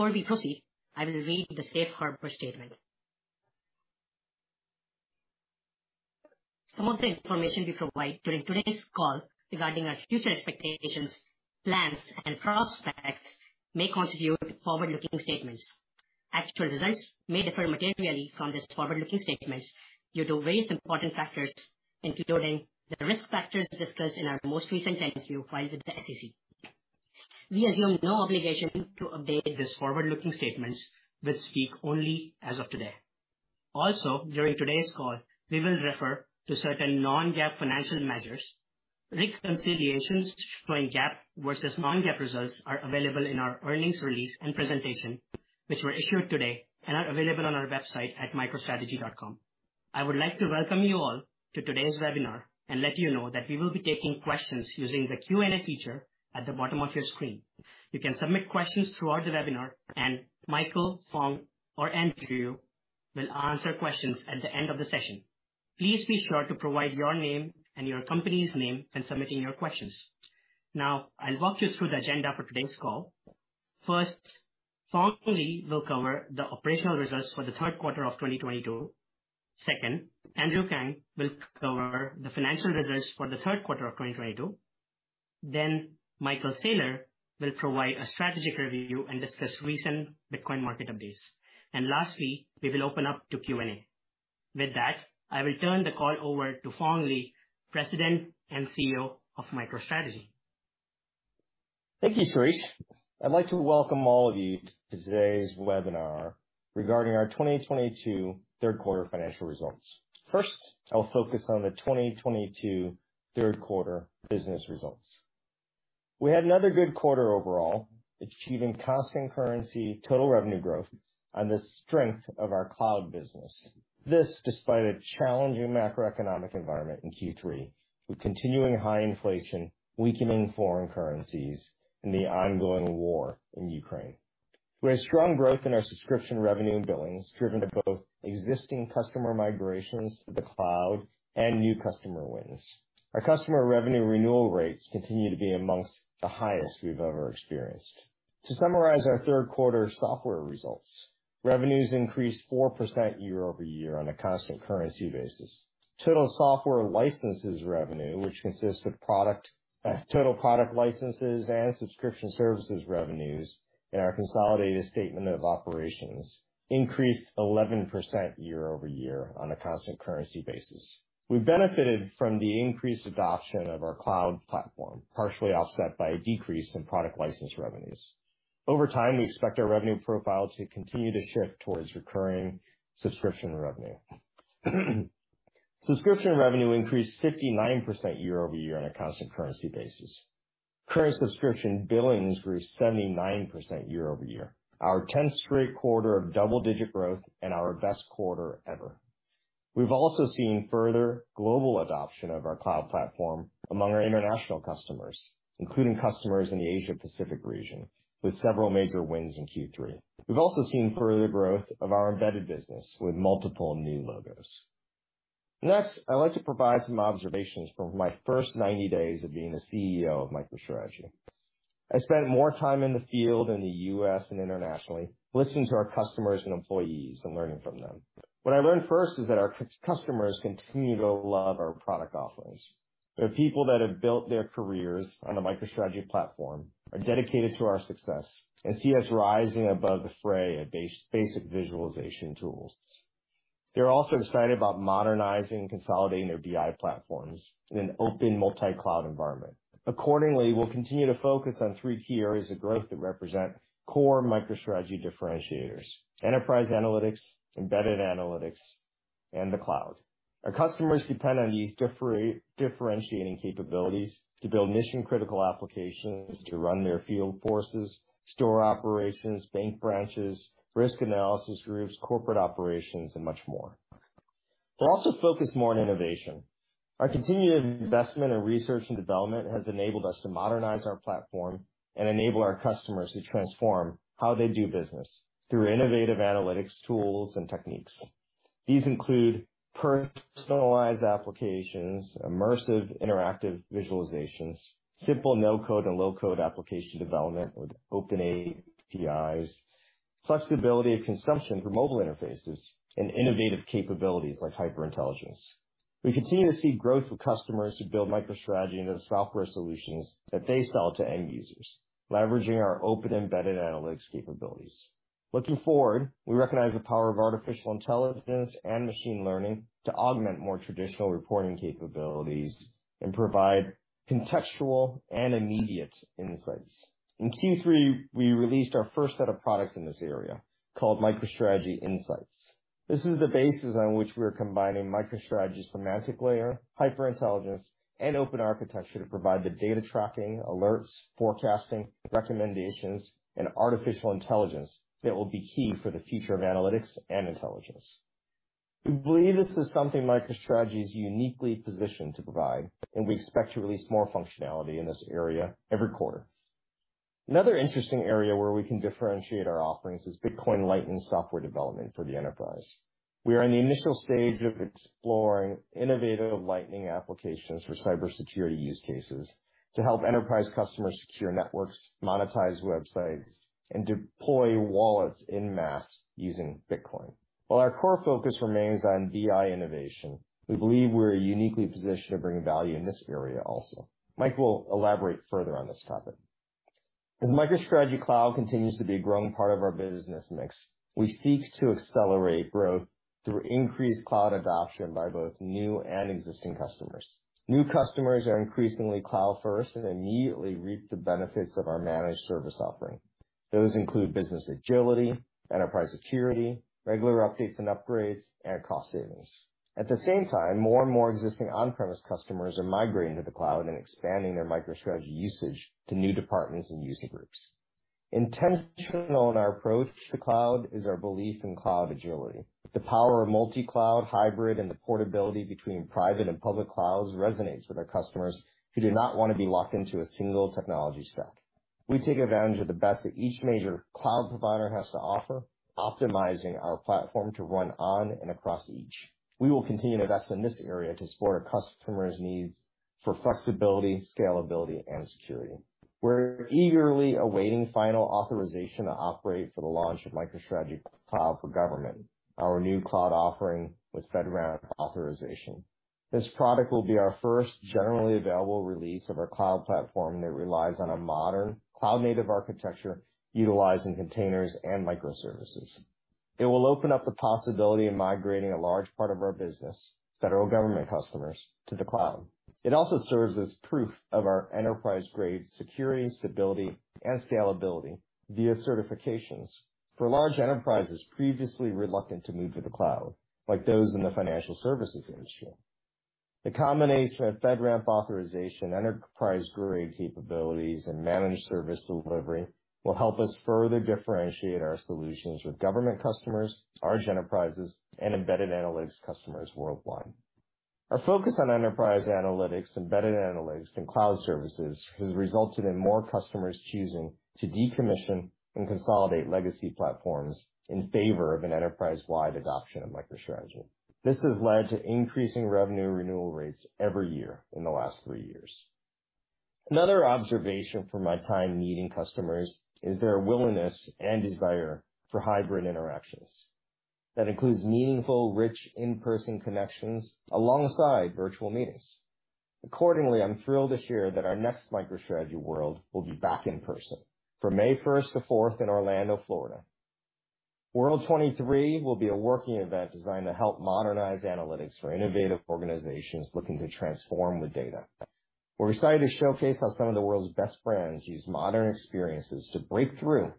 Before we proceed, I will read the Safe Harbor Statement. Some of the information we provide during today's call regarding our future expectations, plans and prospects may constitute forward-looking statements. Actual results may differ materially from these forward-looking statements due to various important factors, including the risk factors discussed in our most recent 10-Q filed with the SEC. We assume no obligation to update these forward-looking statements, which speak only as of today. Also, during today's call, we will refer to certain non-GAAP financial measures. Reconciliations showing GAAP versus non-GAAP results are available in our earnings release and presentation, which were issued today and are available on our website at microstrategy.com. I would like to welcome you all to today's webinar and let you know that we will be taking questions using the Q&A feature at the bottom of your screen. You can submit questions throughout the webinar, and Michael, Phong or Andrew Kang will answer questions at the end of the session. Please be sure to provide your name and your company's name when submitting your questions. Now, I'll walk you through the agenda for today's call. First, Phong Le will cover the operational results for the third quarter of 2022. Second, Andrew Kang will cover the financial results for the third quarter of 2022. Michael Saylor will provide a strategic review and discuss recent Bitcoin market updates. Lastly, we will open up to Q&A. With that, I will turn the call over to Phong Le, President and CEO of MicroStrategy. Thank you, Shirish. I'd like to welcome all of you to today's webinar regarding our 2022 third quarter financial results. First, I'll focus on the 2022 third quarter business results. We had another good quarter overall, achieving constant currency total revenue growth on the strength of our Cloud business. This despite a challenging macroeconomic environment in Q3, with continuing high inflation, weakening foreign currencies and the ongoing war in Ukraine. We had strong growth in our subscription revenue and billings, driven by both existing customer migrations to the cloud and new customer wins. Our customer revenue renewal rates continue to be among the highest we've ever experienced. To summarize our third quarter software results, revenues increased 4% year-over-year on a constant currency basis. Total software licenses revenue, which consists of product, total product licenses and subscription services revenues in our consolidated statement of operations, increased 11% year-over-year on a constant currency basis. We benefited from the increased adoption of our Cloud Platform, partially offset by a decrease in product license revenues. Over time, we expect our revenue profile to continue to shift towards recurring subscription revenue. Subscription revenue increased 59% year-over-year on a constant currency basis. Current subscription billings grew 79% year-over-year, our 10th straight quarter of double-digit growth and our best quarter ever. We've also seen further global adoption of our Cloud Platform among our international customers, including customers in the Asia Pacific region, with several major wins in Q3. We've also seen further growth of our embedded business with multiple new logos. Next, I'd like to provide some observations from my first 90 days of being the CEO of MicroStrategy. I spent more time in the field in the U.S. and internationally, listening to our customers and employees and learning from them. What I learned first is that our customers continue to love our product offerings. There are people that have built their careers on the MicroStrategy platform, are dedicated to our success and see us rising above the fray of basic visualization tools. They're also excited about modernizing and consolidating their BI platforms in an open multi-cloud environment. Accordingly, we'll continue to focus on three key areas of growth that represent core MicroStrategy differentiators. Enterprise analytics, Embedded analytics, and the Cloud. Our customers depend on these differentiating capabilities to build mission-critical applications to run their field forces, store operations, bank branches, risk analysis groups, corporate operations, and much more. They're also focused more on innovation. Our continued investment in research and development has enabled us to modernize our platform and enable our customers to transform how they do business through innovative analytics tools and techniques. These include personalized applications, immersive interactive visualizations, simple no-code and low-code application development with open APIs, flexibility of consumption for mobile interfaces, and innovative capabilities like HyperIntelligence. We continue to see growth with customers who build MicroStrategy into the software solutions that they sell to end users, leveraging our open embedded analytics capabilities. Looking forward, we recognize the power of artificial intelligence and machine learning to augment more traditional reporting capabilities and provide contextual and immediate insights. In Q3, we released our first set of products in this area called MicroStrategy Insights. This is the basis on which we are combining MicroStrategy's semantic layer, HyperIntelligence, and open architecture to provide the data tracking, alerts, forecasting, recommendations, and artificial intelligence that will be key for the future of analytics and intelligence. We believe this is something MicroStrategy is uniquely positioned to provide, and we expect to release more functionality in this area every quarter. Another interesting area where we can differentiate our offerings is Bitcoin Lightning software development for the enterprise. We are in the initial stage of exploring innovative Lightning applications for cybersecurity use cases to help enterprise customers secure networks, monetize websites, and deploy wallets en masse using Bitcoin. While our core focus remains on BI innovation, we believe we're uniquely positioned to bring value in this area also. Mike will elaborate further on this topic. As MicroStrategy Cloud continues to be a growing part of our business mix, we seek to accelerate growth through increased cloud adoption by both new and existing customers. New customers are increasingly cloud-first and immediately reap the benefits of our managed service offering. Those include business agility, enterprise security, regular updates and upgrades, and cost savings. At the same time, more and more existing on-premises customers are migrating to the cloud and expanding their MicroStrategy usage to new departments and user groups. Intentional in our approach to cloud is our belief in cloud agility. The power of multi-cloud hybrid and the portability between private and public clouds resonates with our customers who do not wanna be locked into a single technology stack. We take advantage of the best that each major cloud provider has to offer, optimizing our platform to run on and across each. We will continue to invest in this area to support our customers' needs for flexibility, scalability, and security. We're eagerly awaiting final authorization to operate for the launch of MicroStrategy Cloud for Government, our new cloud offering with FedRAMP authorization. This product will be our first generally available release of our Cloud Platform that relies on a modern cloud-native architecture utilizing containers and microservices. It will open up the possibility of migrating a large part of our business, federal government customers, to the cloud. It also serves as proof of our enterprise-grade security, stability, and scalability via certifications for large enterprises previously reluctant to move to the cloud, like those in the financial services industry. The combination of FedRAMP authorization, enterprise-grade capabilities, and managed service delivery will help us further differentiate our solutions with government customers, large enterprises, and embedded analytics customers worldwide. Our focus on Enterprise analytics, Embedded analytics, and Cloud services has resulted in more customers choosing to decommission and consolidate legacy platforms in favor of an enterprise-wide adoption of MicroStrategy. This has led to increasing revenue renewal rates every year in the last three years. Another observation from my time meeting customers is their willingness and desire for hybrid interactions. That includes meaningful, rich, in-person connections alongside virtual meetings. Accordingly, I'm thrilled to share that our next MicroStrategy World will be back in person from May 1st to 4th in Orlando, Florida. World 2023 will be a working event designed to help modernize analytics for innovative organizations looking to transform with data. We're excited to showcase how some of the world's best brands use modern experiences to break through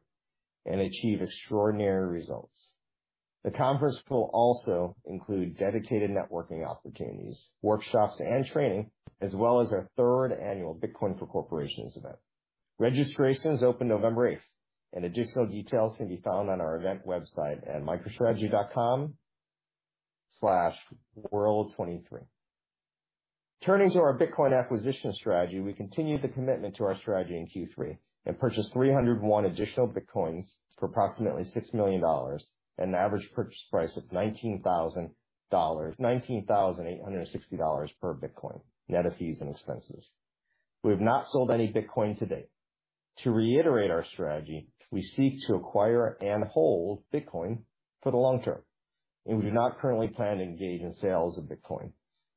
and achieve extraordinary results. The conference will also include dedicated networking opportunities, workshops, and training, as well as our 3rd Annual Bitcoin for Corporations Event. Registration is open November 8th, and additional details can be found on our event website at microstrategy.com/world23. Turning to our Bitcoin acquisition strategy, we continued the commitment to our strategy in Q3 and purchased 301 additional Bitcoins for approximately $6 million at an average purchase price of $19,860 per Bitcoin, net of fees and expenses. We have not sold any Bitcoin to date. To reiterate our strategy, we seek to acquire and hold Bitcoin for the long term, and we do not currently plan to engage in sales of Bitcoin.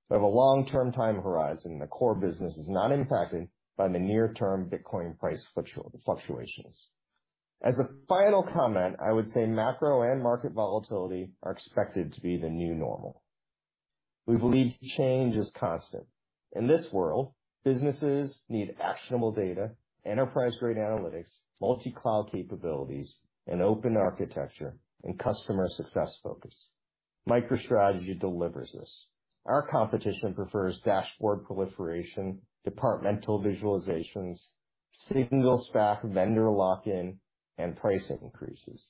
We have a long-term time horizon. The core business is not impacted by the near-term Bitcoin price fluctuations. As a final comment, I would say macro and market volatility are expected to be the new normal. We believe change is constant. In this world, businesses need actionable data, enterprise-grade analytics, multi-cloud capabilities, an open architecture, and customer success focus. MicroStrategy delivers this. Our competition prefers dashboard proliferation, departmental visualizations, single stack vendor lock-in, and price increases.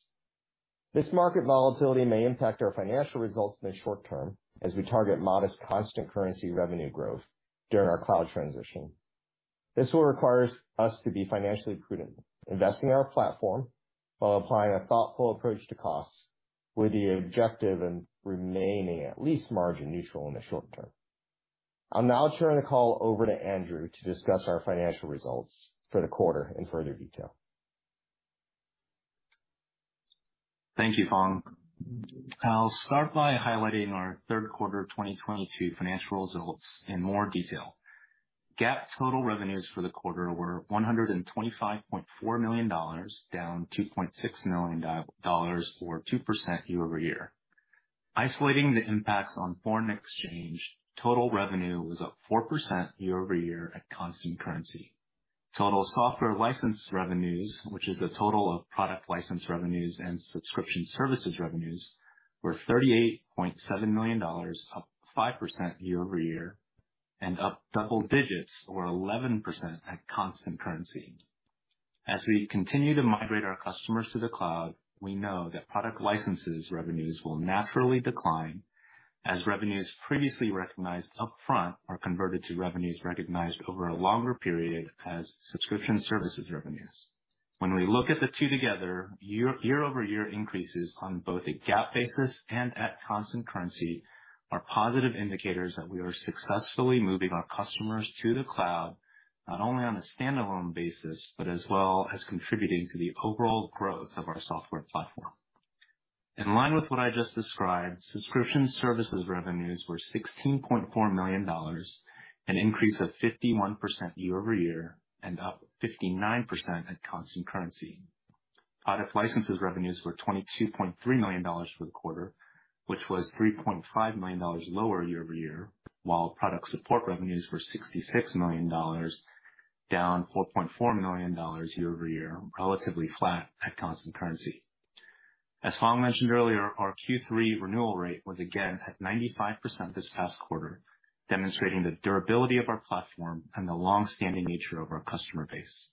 This market volatility may impact our financial results in the short term as we target modest constant currency revenue growth during our cloud transition. This will require us to be financially prudent, investing in our platform while applying a thoughtful approach to costs with the objective in remaining at least margin neutral in the short term. I'll now turn the call over to Andrew to discuss our financial results for the quarter in further detail. Thank you, Phong. I'll start by highlighting our third quarter of 2022 financial results in more detail. GAAP total revenues for the quarter were $125.4 million, down $2.6 million or 2% year-over-year. Isolating the impacts on foreign exchange, total revenue was up 4% year-over-year at constant currency. Total software license revenues, which is the total of product license revenues and subscription services revenues, were $38.7 million, up 5% year-over-year and up double digits or 11% at constant currency. As we continue to migrate our customers to the cloud, we know that product licenses revenues will naturally decline. As revenues previously recognized upfront are converted to revenues recognized over a longer period as subscription services revenues. When we look at the two together, year-over-year increases on both a GAAP basis and at constant currency are positive indicators that we are successfully moving our customers to the cloud, not only on a standalone basis, but as well as contributing to the overall growth of our software platform. In line with what I just described, subscription services revenues were $16.4 million, an increase of 51% year-over-year and up 59% at constant currency. Product licenses revenues were $22.3 million for the quarter, which was $3.5 million lower year-over-year, while product support revenues were $66 million, down $4.4 million year-over-year, relatively flat at constant currency. As Phong mentioned earlier, our Q3 renewal rate was again at 95% this past quarter, demonstrating the durability of our platform and the long-standing nature of our customer base.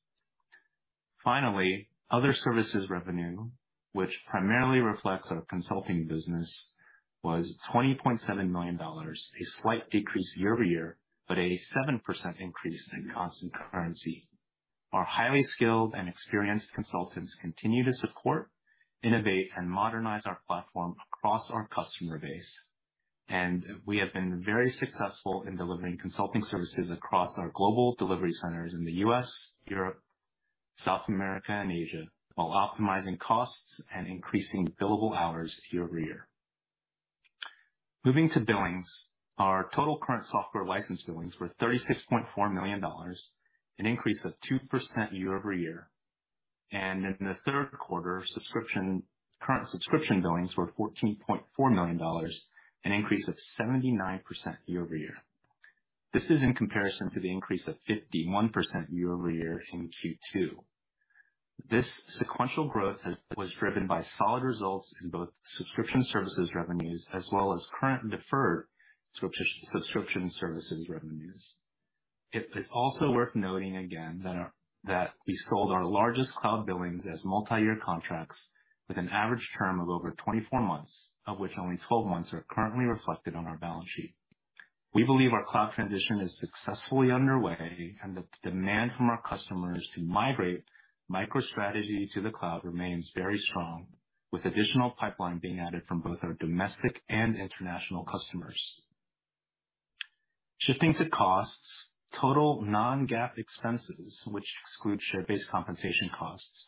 Finally, other services revenue, which primarily reflects our consulting business, was $20.7 million, a slight decrease year-over-year, but a 7% increase in constant currency. Our highly skilled and experienced consultants continue to support, innovate, and modernize our platform across our customer base, and we have been very successful in delivering consulting services across our global delivery centers in the U.S., Europe, South America, and Asia, while optimizing costs and increasing billable hours year-over-year. Moving to billings. Our total current software license billings were $36.4 million, an increase of 2% year-over-year. In the third quarter, subscription current subscription billings were $14.4 million, an increase of 79% year-over-year. This is in comparison to the increase of 51% year-over-year in Q2. This sequential growth was driven by solid results in both subscription services revenues as well as current and deferred subscription services revenues. It is also worth noting again that we sold our largest cloud billings as multi-year contracts with an average term of over 24 months, of which only 12 months are currently reflected on our balance sheet. We believe our cloud transition is successfully underway and the demand from our customers to migrate MicroStrategy to the cloud remains very strong, with additional pipeline being added from both our domestic and international customers. Shifting to costs. Total non-GAAP expenses, which exclude share-based compensation costs,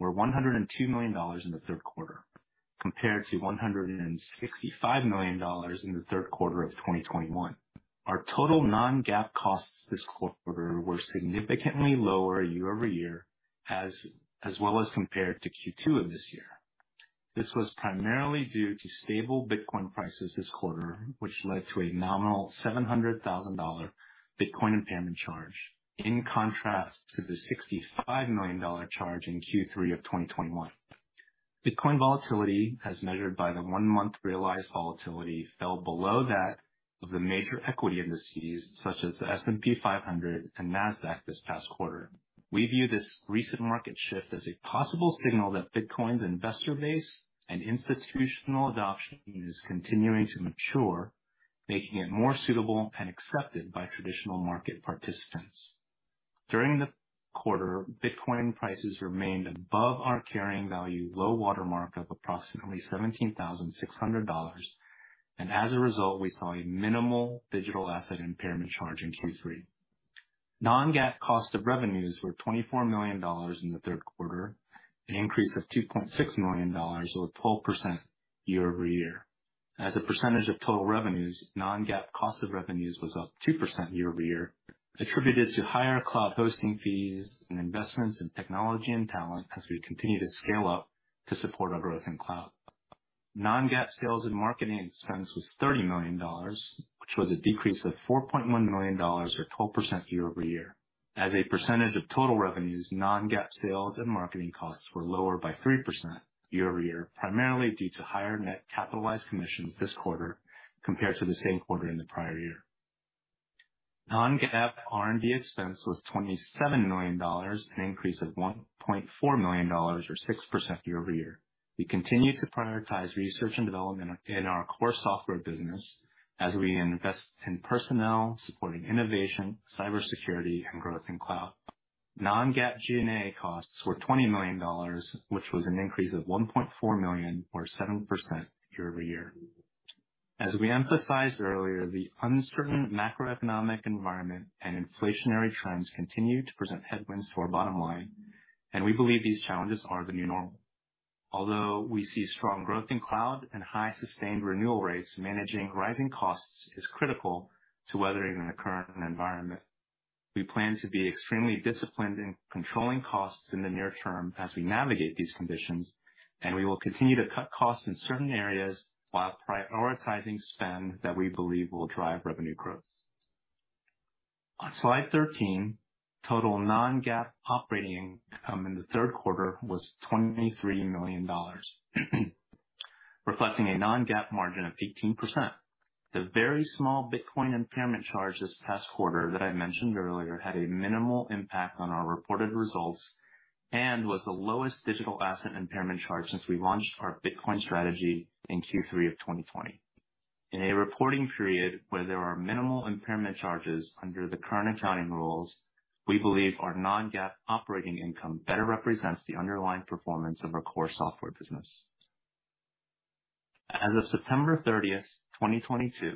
were $102 million in the third quarter compared to $165 million in the third quarter of 2021. Our total non-GAAP costs this quarter were significantly lower year over year as well as compared to Q2 of this year. This was primarily due to stable Bitcoin prices this quarter, which led to a nominal $700,000 Bitcoin impairment charge, in contrast to the $65 million charge in Q3 of 2021. Bitcoin volatility, as measured by the one-month realized volatility, fell below that of the major equity indices such as the S&P 500 and Nasdaq this past quarter. We view this recent market shift as a possible signal that Bitcoin's investor base and institutional adoption is continuing to mature, making it more suitable and accepted by traditional market participants. During the quarter, Bitcoin prices remained above our carrying value low-water mark of approximately $17,600, and as a result, we saw a minimal digital asset impairment charge in Q3. Non-GAAP cost of revenues were $24 million in the third quarter, an increase of $2.6 million or 12% year-over-year. As a percentage of total revenues, non-GAAP cost of revenues was up 2% year-over-year, attributed to higher cloud hosting fees and investments in technology and talent as we continue to scale up to support our growth in cloud. Non-GAAP sales and marketing expense was $30 million, which was a decrease of $4.1 million or 12% year-over-year. As a percentage of total revenues, non-GAAP sales and marketing costs were lower by 3% year-over-year, primarily due to higher net capitalized commissions this quarter compared to the same quarter in the prior year. Non-GAAP R&D expense was $27 million, an increase of $1.4 million or 6% year-over-year. We continue to prioritize research and development in our core software business as we invest in personnel supporting innovation, cybersecurity, and growth in cloud. Non-GAAP G&A costs were $20 million, which was an increase of $1.4 million or 7% year-over-year. As we emphasized earlier, the uncertain macroeconomic environment and inflationary trends continue to present headwinds to our bottom line, and we believe these challenges are the new normal. Although we see strong growth in cloud and high sustained renewal rates, managing rising costs is critical to weathering the current environment. We plan to be extremely disciplined in controlling costs in the near term as we navigate these conditions, and we will continue to cut costs in certain areas while prioritizing spend that we believe will drive revenue growth. On slide 13, total non-GAAP operating income in the third quarter was $23 million, reflecting a non-GAAP margin of 18%. The very small Bitcoin impairment charge this past quarter that I mentioned earlier had a minimal impact on our reported results. was the lowest digital asset impairment charge since we launched our Bitcoin strategy in Q3 of 2020. In a reporting period where there are minimal impairment charges under the current accounting rules, we believe our non-GAAP operating income better represents the underlying performance of our core software business. As of September 30, 2022,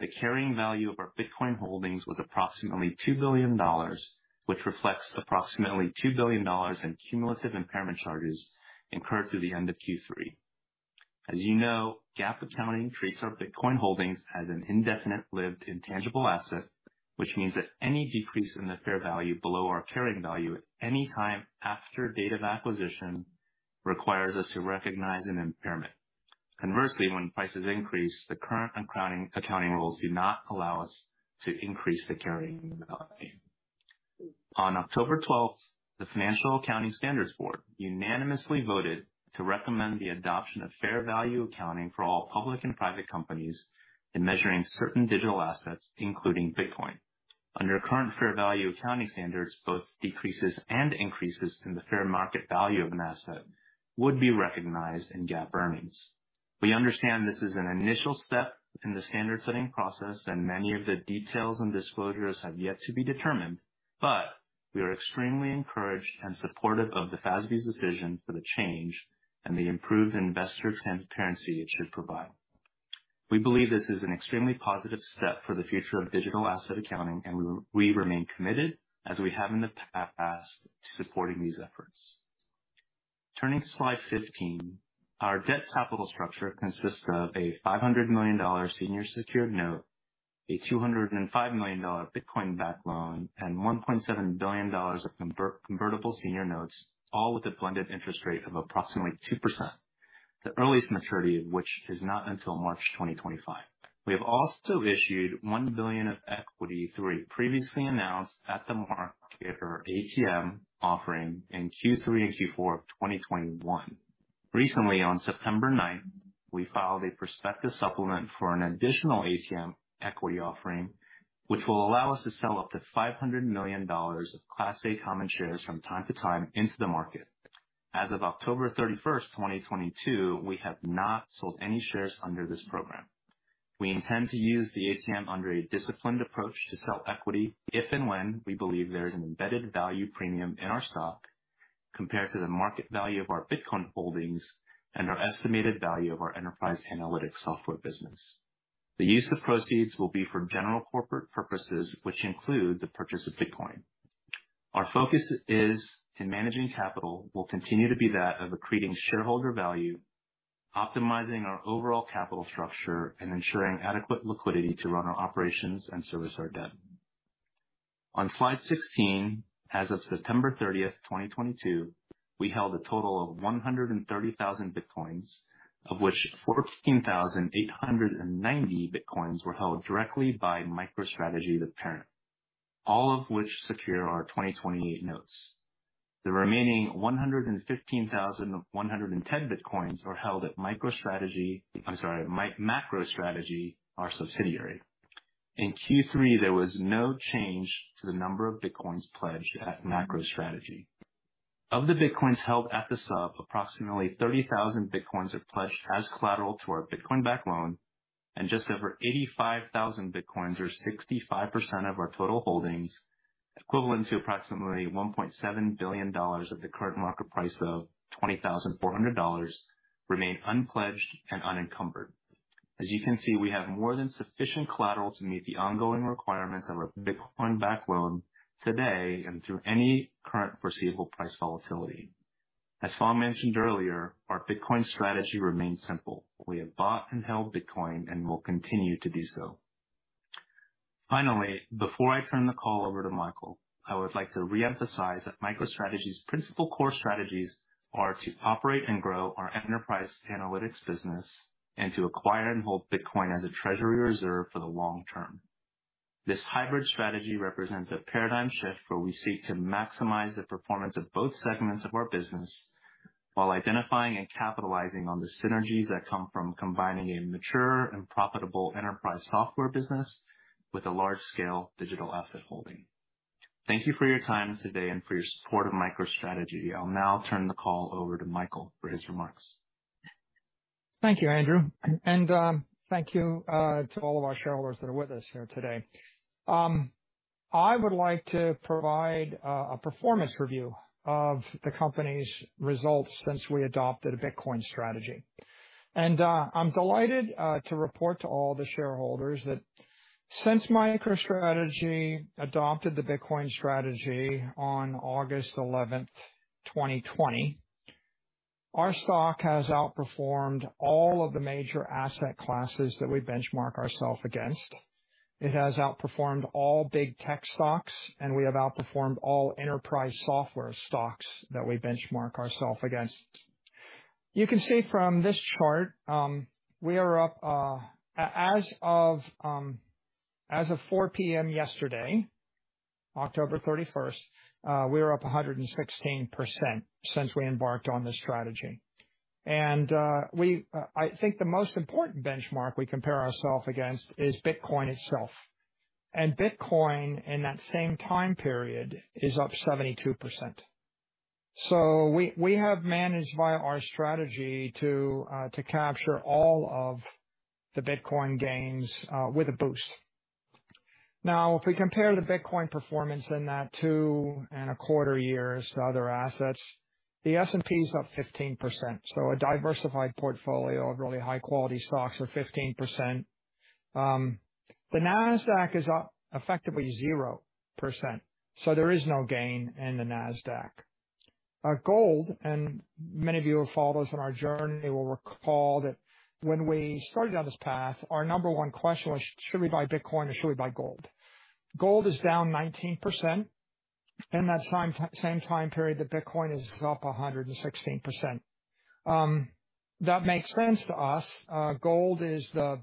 the carrying value of our Bitcoin holdings was approximately $2 billion, which reflects approximately $2 billion in cumulative impairment charges incurred through the end of Q3. As you know, GAAP accounting treats our Bitcoin holdings as an indefinite-lived intangible asset, which means that any decrease in the fair value below our carrying value at any time after date of acquisition requires us to recognize an impairment. Conversely, when prices increase, the current accounting rules do not allow us to increase the carrying. On October 12th, the Financial Accounting Standards Board unanimously voted to recommend the adoption of fair value accounting for all public and private companies in measuring certain digital assets, including Bitcoin. Under current fair value accounting standards, both decreases and increases in the fair market value of an asset would be recognized in GAAP earnings. We understand this is an initial step in the standard-setting process, and many of the details and disclosures have yet to be determined. We are extremely encouraged and supportive of the FASB's decision for the change and the improved investor transparency it should provide. We believe this is an extremely positive step for the future of digital asset accounting, and we remain committed, as we have in the past, to supporting these efforts. Turning to slide 15. Our debt capital structure consists of a $500 million senior secured note, a $205 million Bitcoin-backed loan, and $1.7 billion of convertible senior notes, all with a blended interest rate of approximately 2%, the earliest maturity of which is not until March 2025. We have also issued $1 billion of equity through a previously announced at-the-market, or ATM, offering in Q3 and Q4 of 2021. Recently, on September 9, we filed a prospectus supplement for an additional ATM equity offering, which will allow us to sell up to $500 million of Class A common shares from time to time into the market. As of October 31st, 2022, we have not sold any shares under this program. We intend to use the ATM under a disciplined approach to sell equity if and when we believe there is an embedded value premium in our stock compared to the market value of our Bitcoin holdings and our estimated value of our enterprise analytics software business. The use of proceeds will be for general corporate purposes, which include the purchase of Bitcoin. Our focus, in managing capital, will continue to be that of accreting shareholder value, optimizing our overall capital structure, and ensuring adequate liquidity to run our operations and service our debt. On slide 16, as of September 30th, 2022, we held a total of 130,000 bitcoins, of which 14,890 bitcoins were held directly by MicroStrategy, the parent, all of which secure our 2028 notes. The remaining 115,110 bitcoins are held at MacroStrategy, our subsidiary. In Q3, there was no change to the number of bitcoins pledged at MacroStrategy. Of the bitcoins held at the sub, approximately 30,000 bitcoins are pledged as collateral to our Bitcoin-backed loan and just over 85,000 bitcoins, or 65% of our total holdings, equivalent to approximately $1.7 billion at the current market price of $20,400, remain unpledged and unencumbered. As you can see, we have more than sufficient collateral to meet the ongoing requirements of our Bitcoin-backed loan today and through any current foreseeable price volatility. As Phong mentioned earlier, our Bitcoin strategy remains simple. We have bought and held Bitcoin and will continue to do so. Finally, before I turn the call over to Michael, I would like to reemphasize that MicroStrategy's principal core strategies are to operate and grow our enterprise analytics business and to acquire and hold Bitcoin as a treasury reserve for the long term. This hybrid strategy represents a paradigm shift where we seek to maximize the performance of both segments of our business while identifying and capitalizing on the synergies that come from combining a mature and profitable enterprise software business with a large-scale digital asset holding. Thank you for your time today and for your support of MicroStrategy. I'll now turn the call over to Michael for his remarks. Thank you, Andrew, and thank you to all of our shareholders that are with us here today. I would like to provide a performance review of the company's results since we adopted a Bitcoin strategy. I'm delighted to report to all the shareholders that since MicroStrategy adopted the Bitcoin strategy on August 11th, 2020, our stock has outperformed all of the major asset classes that we benchmark ourself against. It has outperformed all big tech stocks, and we have outperformed all enterprise software stocks that we benchmark ourself against. You can see from this chart, we are up, as of 4:00 P.M. yesterday, October 31st, we are up 116% since we embarked on this strategy. I think the most important benchmark we compare ourself against is Bitcoin itself. Bitcoin in that same time period is up 72%. We have managed via our strategy to capture all of the Bitcoin gains with a boost. Now, if we compare the Bitcoin performance in that 2.25 years to other assets, the S&P is up 15%. A diversified portfolio of really high quality stocks are 15%. The Nasdaq is up effectively 0%, so there is no gain in the Nasdaq. Our gold, and many of you who follow us on our journey will recall that when we started down this path, our number one question was should we buy Bitcoin or should we buy gold? Gold is down 19% in that same time period that Bitcoin is up 116%. That makes sense to us. Gold is the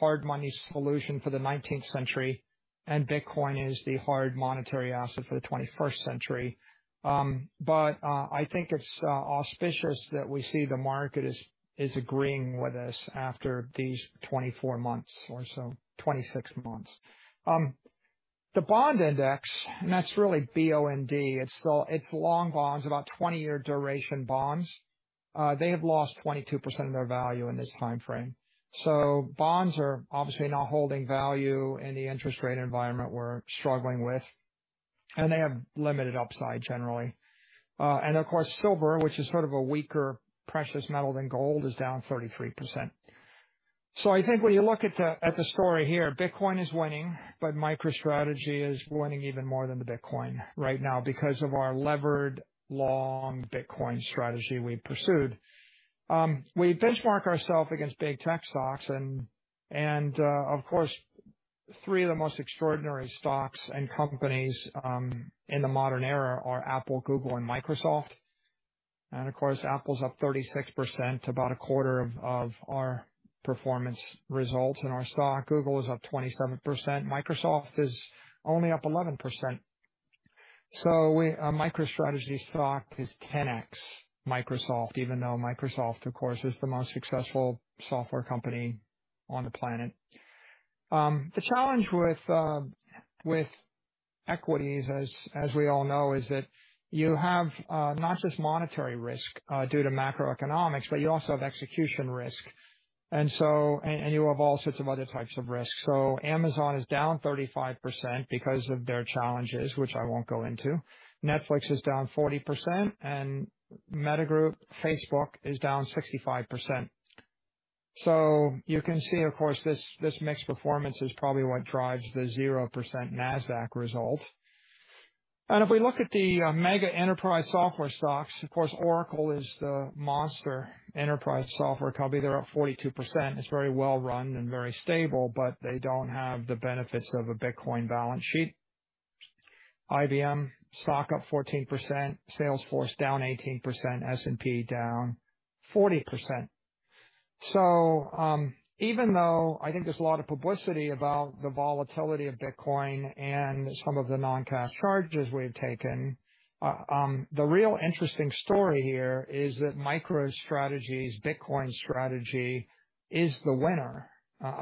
hard money solution for the 19th century, and Bitcoin is the hard monetary asset for the21st century. I think it's auspicious that we see the market is agreeing with us after these 24 months or so, 26 months. The bond index, and that's really bond, it's long bonds, about 20-year duration bonds. They have lost 22% of their value in this time frame. Bonds are obviously not holding value in the interest rate environment we're struggling with, and they have limited upside generally. Of course, silver, which is sort of a weaker precious metal than gold, is down 33%. I think when you look at the story here, Bitcoin is winning, but MicroStrategy is winning even more than the Bitcoin right now because of our levered long Bitcoin strategy we pursued. We benchmark ourselves against big tech stocks and, of course, three of the most extraordinary stocks and companies in the modern era are Apple, Google and Microsoft. Of course, Apple's up 36%, about a quarter of our performance results in our stock. Google is up 27%. Microsoft is only up 11%. MicroStrategy stock is 10x Microsoft, even though Microsoft, of course, is the most successful software company on the planet. The challenge with equities, as we all know, is that you have not just monetary risk due to macroeconomics, but you also have execution risk. You have all sorts of other types of risks. Amazon is down 35% because of their challenges, which I won't go into. Netflix is down 40%, and Meta group, Facebook is down 65%. You can see, of course, this mixed performance is probably what drives the 0% Nasdaq result. If we look at the mega enterprise software stocks, of course Oracle is the monster enterprise software company. They're up 42%. It's very well-run and very stable, but they don't have the benefits of a Bitcoin balance sheet. IBM stock up 14%. Salesforce down 18%. S&P down 40%. Even though I think there's a lot of publicity about the volatility of Bitcoin and some of the non-cash charges we've taken, the real interesting story here is that MicroStrategy's Bitcoin strategy is the winner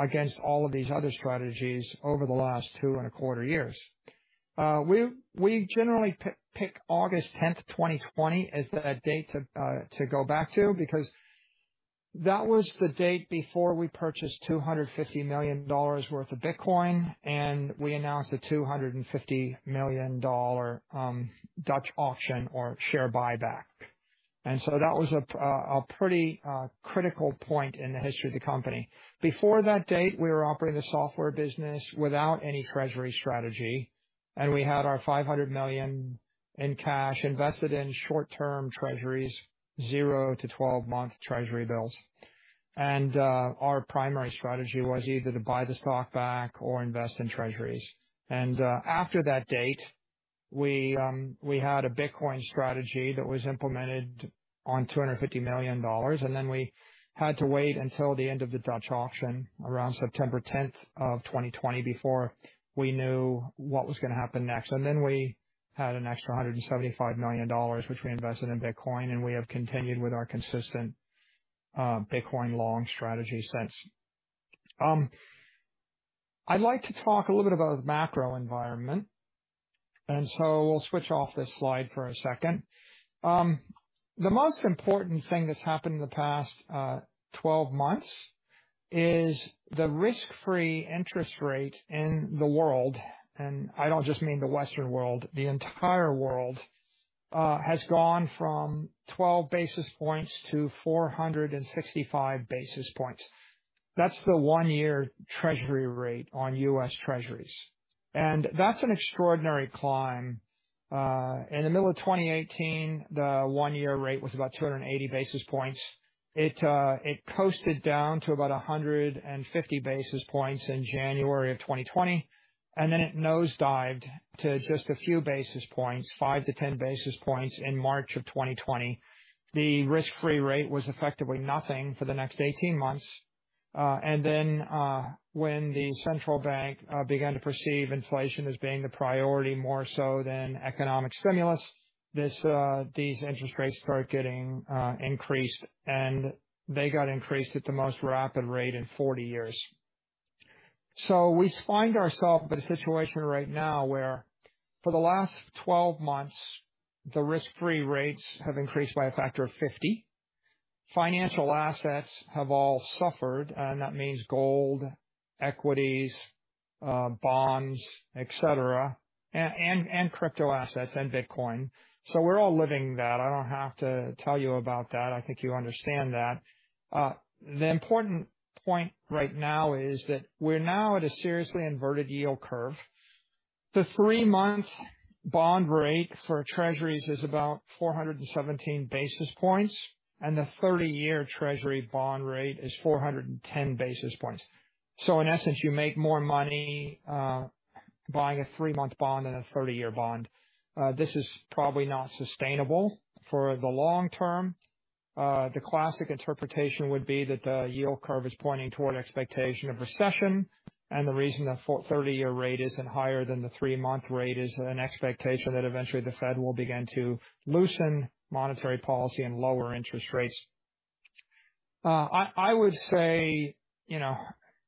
against all of these other strategies over the last 2.25 years. We generally pick August 10th, 2020 as the date to go back to, because that was the date before we purchased $250 million worth of Bitcoin, and we announced a $250 million Dutch auction or share buyback. That was a pretty critical point in the history of the company. Before that date, we were operating the software business without any treasury strategy, and we had our $500 million in cash invested in short-term Treasuries, 0-12-month Treasury bills. Our primary strategy was either to buy the stock back or invest in Treasuries. After that date, we had a Bitcoin strategy that was implemented on $250 million, and then we had to wait until the end of the Dutch auction, around September 10th, 2020, before we knew what was gonna happen next. Then we had an extra $175 million, which we invested in Bitcoin, and we have continued with our consistent Bitcoin long strategy since. I'd like to talk a little bit about the macro environment, and so we'll switch off this slide for a second. The most important thing that's happened in the past 12 months is the risk-free interest rate in the world, and I don't just mean the Western world, the entire world, has gone from 12 basis points to 465 basis points. That's the one-year treasury rate on U.S. Treasuries, and that's an extraordinary climb. In the middle of 2018, the one-year rate was about 280 basis points. It coasted down to about 150 basis points in January 2020, and then it nosedived to just a few basis points, 5-10 basis points in March 2020. The risk-free rate was effectively nothing for the next 18 months. Then, when the central bank began to perceive inflation as being the priority more so than economic stimulus, these interest rates started getting increased, and they got increased at the most rapid rate in 40 years. We find ourselves in a situation right now where for the last 12 months, the risk-free rates have increased by a factor of 50. Financial assets have all suffered, and that means gold, equities, bonds, et cetera, and crypto assets and Bitcoin. We're all living that. I don't have to tell you about that. I think you understand that. The important point right now is that we're now at a seriously inverted yield curve. The three-month bond rate for Treasuries is about 417 basis points, and the 30-year Treasury bond rate is 410 basis points. In essence, you make more money buying a three-month bond than a 30-year bond. This is probably not sustainable for the long term. The classic interpretation would be that the yield curve is pointing toward expectation of recession. The reason the 30-year rate isn't higher than the three-month rate is an expectation that eventually the Fed will begin to loosen monetary policy and lower interest rates. I would say, you know,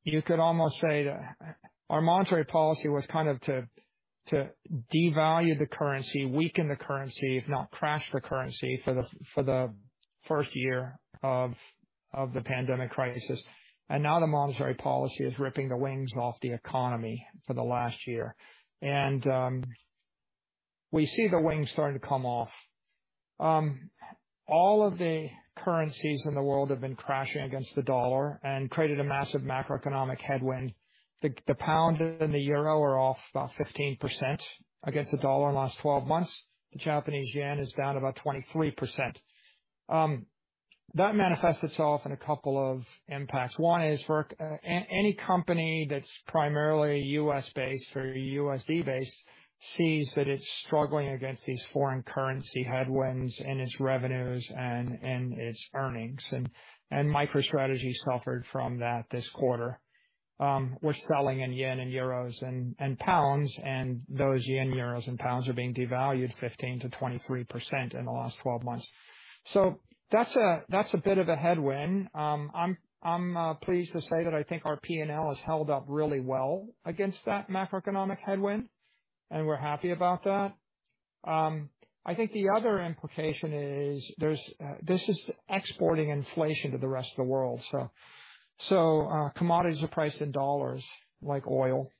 you could almost say that our monetary policy was kind of to devalue the currency, weaken the currency, if not crash the currency for the first year of the pandemic crisis. Now the monetary policy is ripping the wings off the economy for the last year. We see the wings starting to come off. All of the currencies in the world have been crashing against the dollar and created a massive macroeconomic headwind. The pound and the euro are off about 15% against the dollar in the last 12 months. The Japanese yen is down about 23%. That manifests itself in a couple of impacts. One is for any company that's primarily U.S.-based or USD-based sees that it's struggling against these foreign currency headwinds in its revenues and its earnings. MicroStrategy suffered from that this quarter. We're selling in yen and euros and pounds, and those yen, euros and pounds are being devalued 15%-23% in the last 12 months. That's a bit of a headwind. I'm pleased to say that I think our P&L has held up really well against that macroeconomic headwind, and we're happy about that. I think the other implication is this is exporting inflation to the rest of the world. Commodities are priced in dollars, like oil.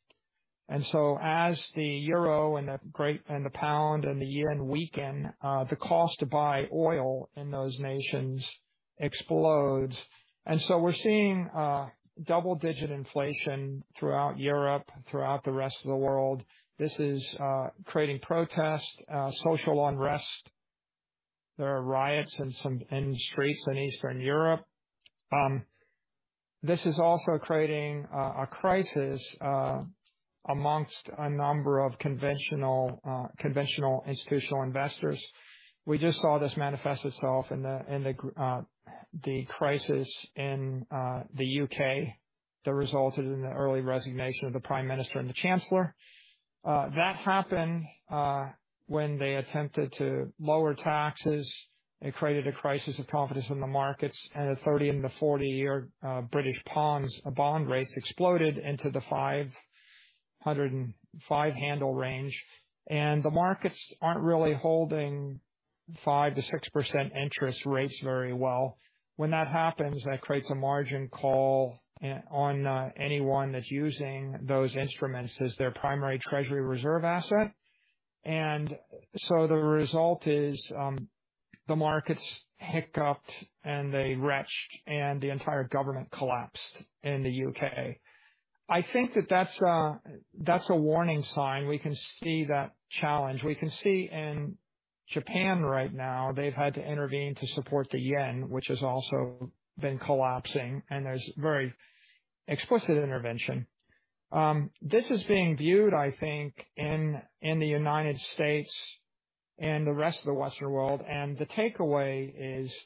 As the euro and the pound and the yen weaken, the cost to buy oil in those nations explodes. We're seeing double-digit inflation throughout Europe, throughout the rest of the world. This is creating protests, social unrest. There are riots in some streets in Eastern Europe. This is also creating a crisis amongst a number of conventional institutional investors. We just saw this manifest itself in the crisis in the U.K. that resulted in the early resignation of the Prime Minister and the Chancellor. That happened when they attempted to lower taxes. It created a crisis of confidence in the markets, and the 30- and 40-year British bonds bond rates exploded into the 505 handle range. The markets aren't really holding 5%-6% interest rates very well. When that happens, that creates a margin call on anyone that's using those instruments as their primary treasury reserve asset. The result is, the markets hiccuped, and they retched, and the entire government collapsed in the U.K. I think that's a warning sign. We can see that challenge. We can see in Japan right now, they've had to intervene to support the yen, which has also been collapsing, and there's very explicit intervention. This is being viewed, I think, in the United States and the rest of the Western world, and the takeaway is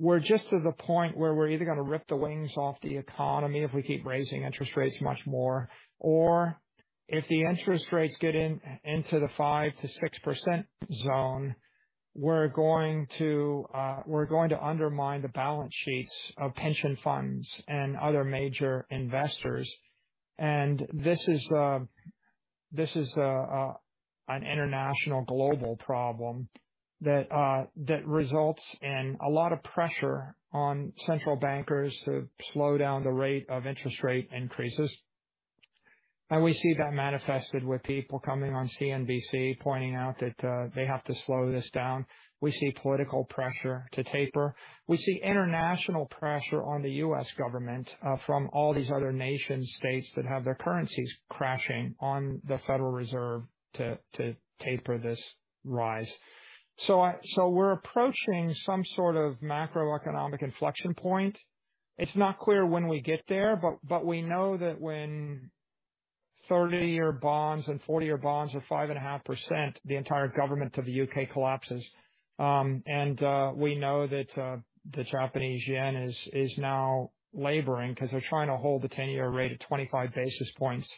we're just to the point where we're either gonna rip the wings off the economy if we keep raising interest rates much more, or if the interest rates get into the 5%-6% zone, we're going to undermine the balance sheets of pension funds and other major investors. This is an international global problem that results in a lot of pressure on central bankers to slow down the rate of interest rate increases. We see that manifested with people coming on CNBC pointing out that they have to slow this down. We see political pressure to taper. We see international pressure on the U.S. government from all these other nation states that have their currencies crashing on the Federal Reserve to taper this rise. So we're approaching some sort of macroeconomic inflection point. It's not clear when we get there, but we know that when 30-year bonds and 40-year bonds are 5.5%, the entire government of the U.K. collapses. We know that the Japanese yen is now laboring 'cause they're trying to hold the 10-year rate at 25 basis points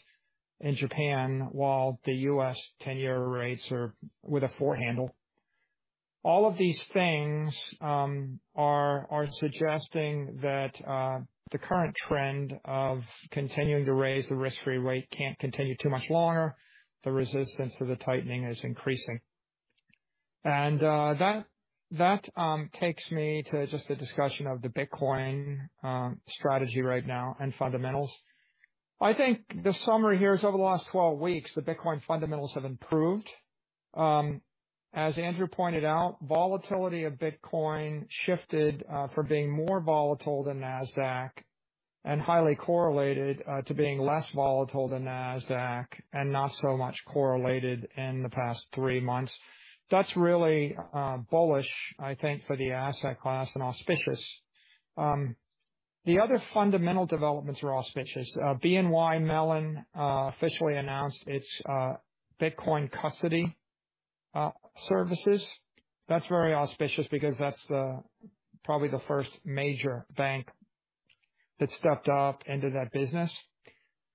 in Japan while the U.S. 10-year rates are with a four handle. All of these things are suggesting that the current trend of continuing to raise the risk-free rate can't continue too much longer. The resistance to the tightening is increasing. That takes me to just the discussion of the Bitcoin strategy right now and fundamentals. I think the summary here is over the last 12 weeks, the Bitcoin fundamentals have improved. As Andrew pointed out, volatility of Bitcoin shifted from being more volatile than Nasdaq and highly correlated to being less volatile than Nasdaq and not so much correlated in the past three months. That's really bullish, I think, for the asset class, and auspicious. The other fundamental developments are auspicious. BNY Mellon officially announced its Bitcoin custody services. That's very auspicious because that's probably the first major bank that stepped up into that business.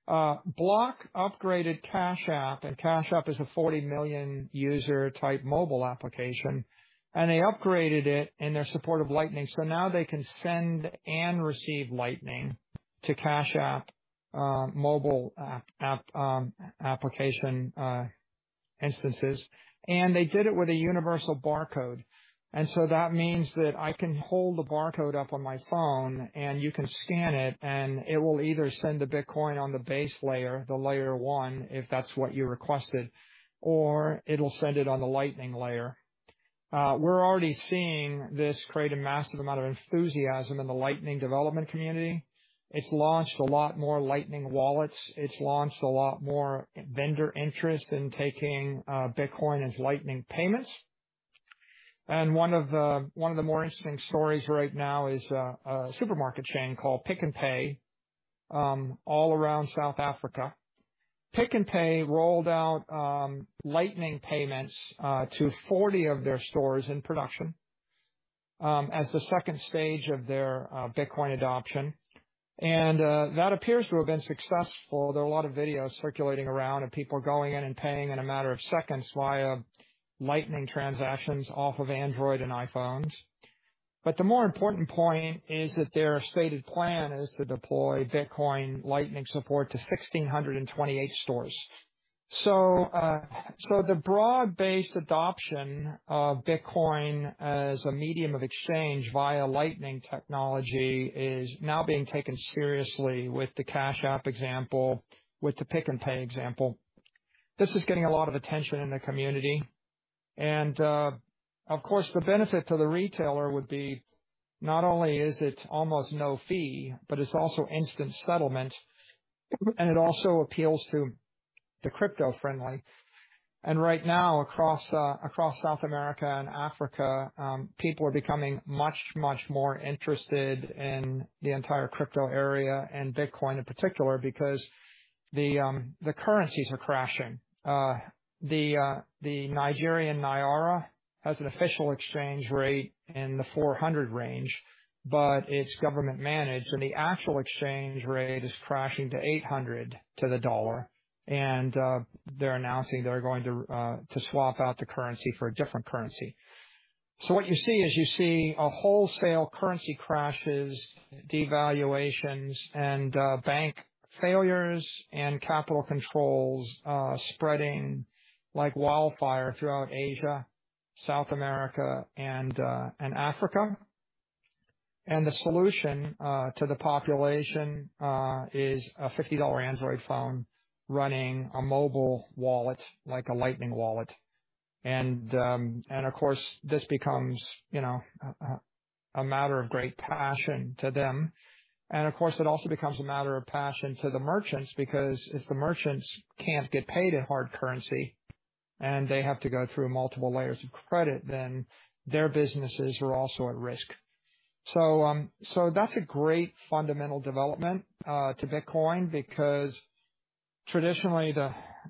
Block upgraded Cash App, and Cash App is a 40 million user type mobile application, and they upgraded it in their support of Lightning. Now they can send and receive Lightning to Cash App mobile application instances. They did it with a universal barcode. That means that I can hold the barcode up on my phone and you can scan it, and it will either send the Bitcoin on the base layer, the layer one, if that's what you requested, or it'll send it on the Lightning layer. We're already seeing this create a massive amount of enthusiasm in the Lightning development community. It's launched a lot more Lightning wallets. It's launched a lot more vendor interest in taking Bitcoin as Lightning payments. One of the more interesting stories right now is a supermarket chain called Pick n Pay all around South Africa. Pick n Pay rolled out Lightning payments to 40 of their stores in production as the second stage of their Bitcoin adoption. That appears to have been successful. There are a lot of videos circulating around of people going in and paying in a matter of seconds via Lightning transactions off of Android and iPhones. The more important point is that their stated plan is to deploy Bitcoin Lightning support to 1,628 stores. The broad-based adoption of Bitcoin as a medium of exchange via Lightning technology is now being taken seriously with the Cash App example, with the Pick n Pay example. This is getting a lot of attention in the community. Of course, the benefit to the retailer would be not only is it almost no fee, but it's also instant settlement, and it also appeals to the crypto-friendly. Right now, across South America and Africa, people are becoming much more interested in the entire crypto area and Bitcoin in particular because the currencies are crashing. The Nigerian naira has an official exchange rate in the 400 range, but it's government managed, and the actual exchange rate is crashing to 800 to the dollar. They're announcing they're going to swap out the currency for a different currency. What you see is a wholesale currency crashes, devaluations and bank failures and capital controls spreading like wildfire throughout Asia, South America, and Africa. The solution to the population is a $50 android phone running a mobile wallet, like a Lightning wallet. Of course, this becomes, you know, a matter of great passion to them. Of course, it also becomes a matter of passion to the merchants, because if the merchants can't get paid in hard currency and they have to go through multiple layers of credit, then their businesses are also at risk. That's a great fundamental development to Bitcoin because traditionally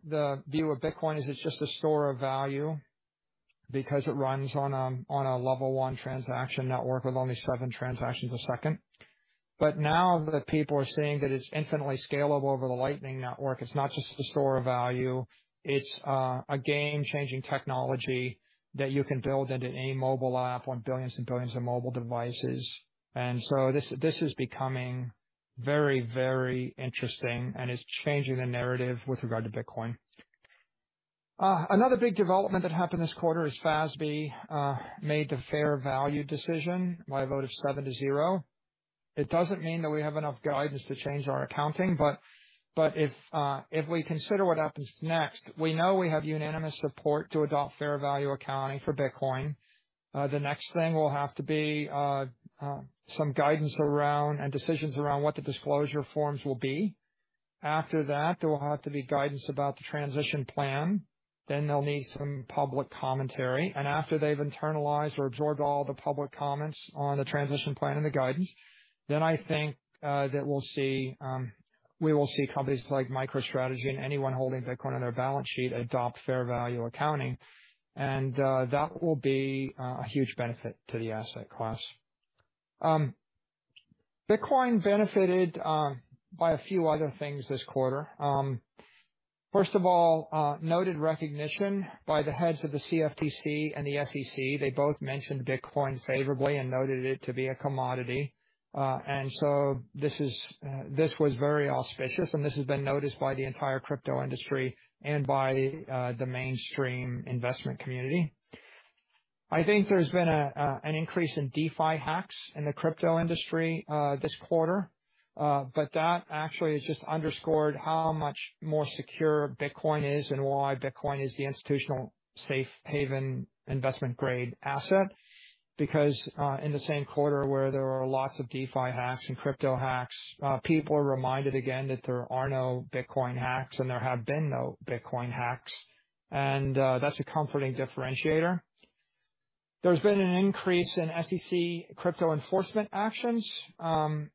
the view of Bitcoin is it's just a store of value because it runs on a Level 1 transaction network with only seven transactions a second. Now that people are seeing that it's infinitely scalable over the Lightning Network, it's not just a store of value. It's a game-changing technology that you can build into any mobile app on billions and billions of mobile devices. This is becoming very, very interesting and is changing the narrative with regard to Bitcoin. Another big development that happened this quarter is FASB made the fair value decision by a vote of seven to 0. It doesn't mean that we have enough guidance to change our accounting, but if we consider what happens next, we know we have unanimous support to adopt fair value accounting for Bitcoin. The next thing will have to be some guidance around and decisions around what the disclosure forms will be. After that, there will have to be guidance about the transition plan. They'll need some public commentary. After they've internalized or absorbed all the public comments on the transition plan and the guidance, then I think that we'll see companies like MicroStrategy and anyone holding Bitcoin on their balance sheet adopt fair value accounting. That will be a huge benefit to the asset class. Bitcoin benefited by a few other things this quarter. First of all, noted recognition by the heads of the CFTC and the SEC. They both mentioned Bitcoin favorably and noted it to be a commodity. This was very auspicious, and this has been noticed by the entire crypto industry and by the mainstream investment community. I think there's been an increase in DeFi hacks in the crypto industry this quarter. That actually has just underscored how much more secure Bitcoin is and why Bitcoin is the institutional safe haven investment grade asset. Because in the same quarter where there were lots of DeFi hacks and crypto hacks, people are reminded again that there are no Bitcoin hacks, and there have been no Bitcoin hacks. That's a comforting differentiator. There's been an increase in SEC crypto enforcement actions,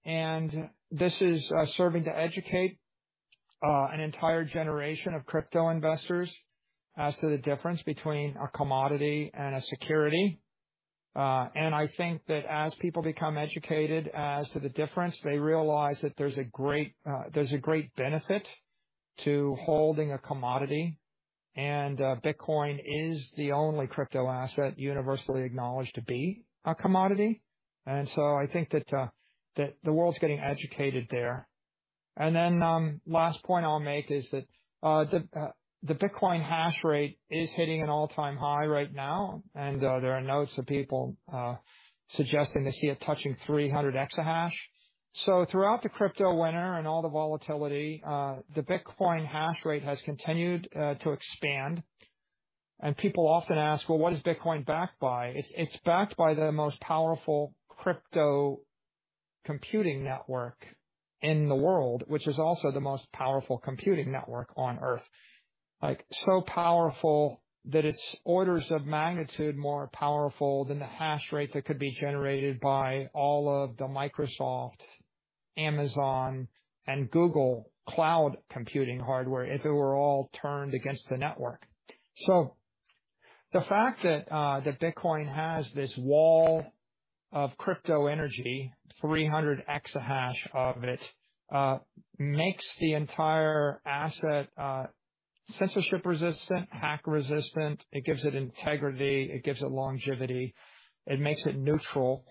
and this is serving to educate an entire generation of crypto investors as to the difference between a commodity and a security. I think that as people become educated as to the difference, they realize that there's a great benefit to holding a commodity. Bitcoin is the only crypto asset universally acknowledged to be a commodity. I think that the world's getting educated there. Last point I'll make is that the Bitcoin hash rate is hitting an all-time high right now, and there are a number of people suggesting they see it touching 300 exahash. Throughout the crypto winter and all the volatility, the Bitcoin hash rate has continued to expand. People often ask, "Well, what is Bitcoin backed by?" It's backed by the most powerful crypto computing network in the world, which is also the most powerful computing network on Earth. Like, so powerful that it's orders of magnitude more powerful than the hash rate that could be generated by all of the Microsoft, Amazon, and Google Cloud computing hardware if it were all turned against the network. The fact that Bitcoin has this wall of crypto energy, 300 exahash of it, makes the entire asset censorship resistant, hack resistant. It gives it integrity, it gives it longevity, it makes it neutral.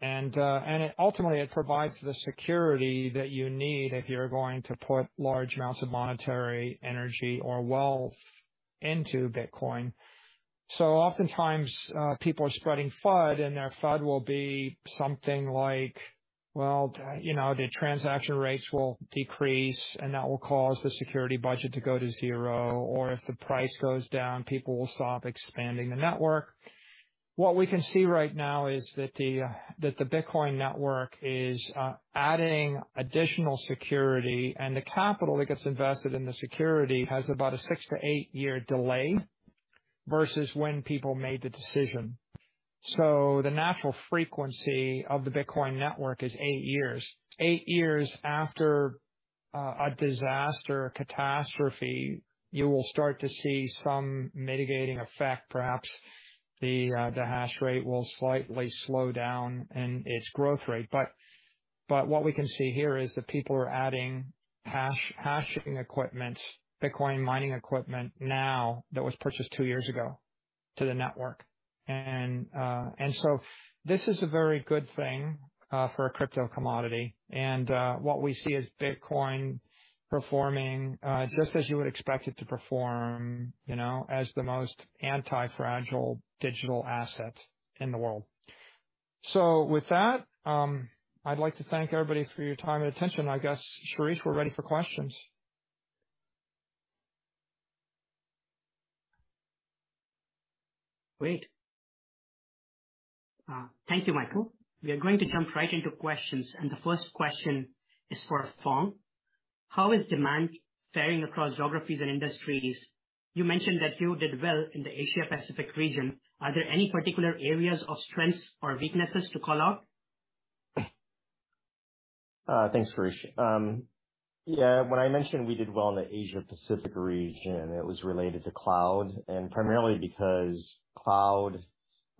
It ultimately provides the security that you need if you're going to put large amounts of monetary energy or wealth into Bitcoin. Oftentimes, people are spreading FUD, and their FUD will be something like, well, you know, the transaction rates will decrease, and that will cause the security budget to go to zero. Or if the price goes down, people will stop expanding the network. What we can see right now is that the Bitcoin network is adding additional security, and the capital that gets invested in the security has about a six-eightyear delay versus when people made the decision. The natural frequency of the Bitcoin network is eight years. Eight years after a disaster, a catastrophe, you will start to see some mitigating effect. Perhaps the hash rate will slightly slow down in its growth rate. What we can see here is that people are adding hash, hashing equipment, Bitcoin mining equipment now that was purchased two years ago to the network. This is a very good thing for a crypto commodity. What we see is Bitcoin performing just as you would expect it to perform, you know, as the most anti-fragile digital asset in the world. With that, I'd like to thank everybody for your time and attention. I guess, Shirish, we're ready for questions. Great. Thank you, Michael. We are going to jump right into questions, and the first question is for Phong. How is demand faring across geographies and industries? You mentioned that you did well in the Asia Pacific region. Are there any particular areas of strengths or weaknesses to call out? Thanks, Shirish. Yeah, when I mentioned we did well in the Asia Pacific region, it was related to Cloud, and primarily because Cloud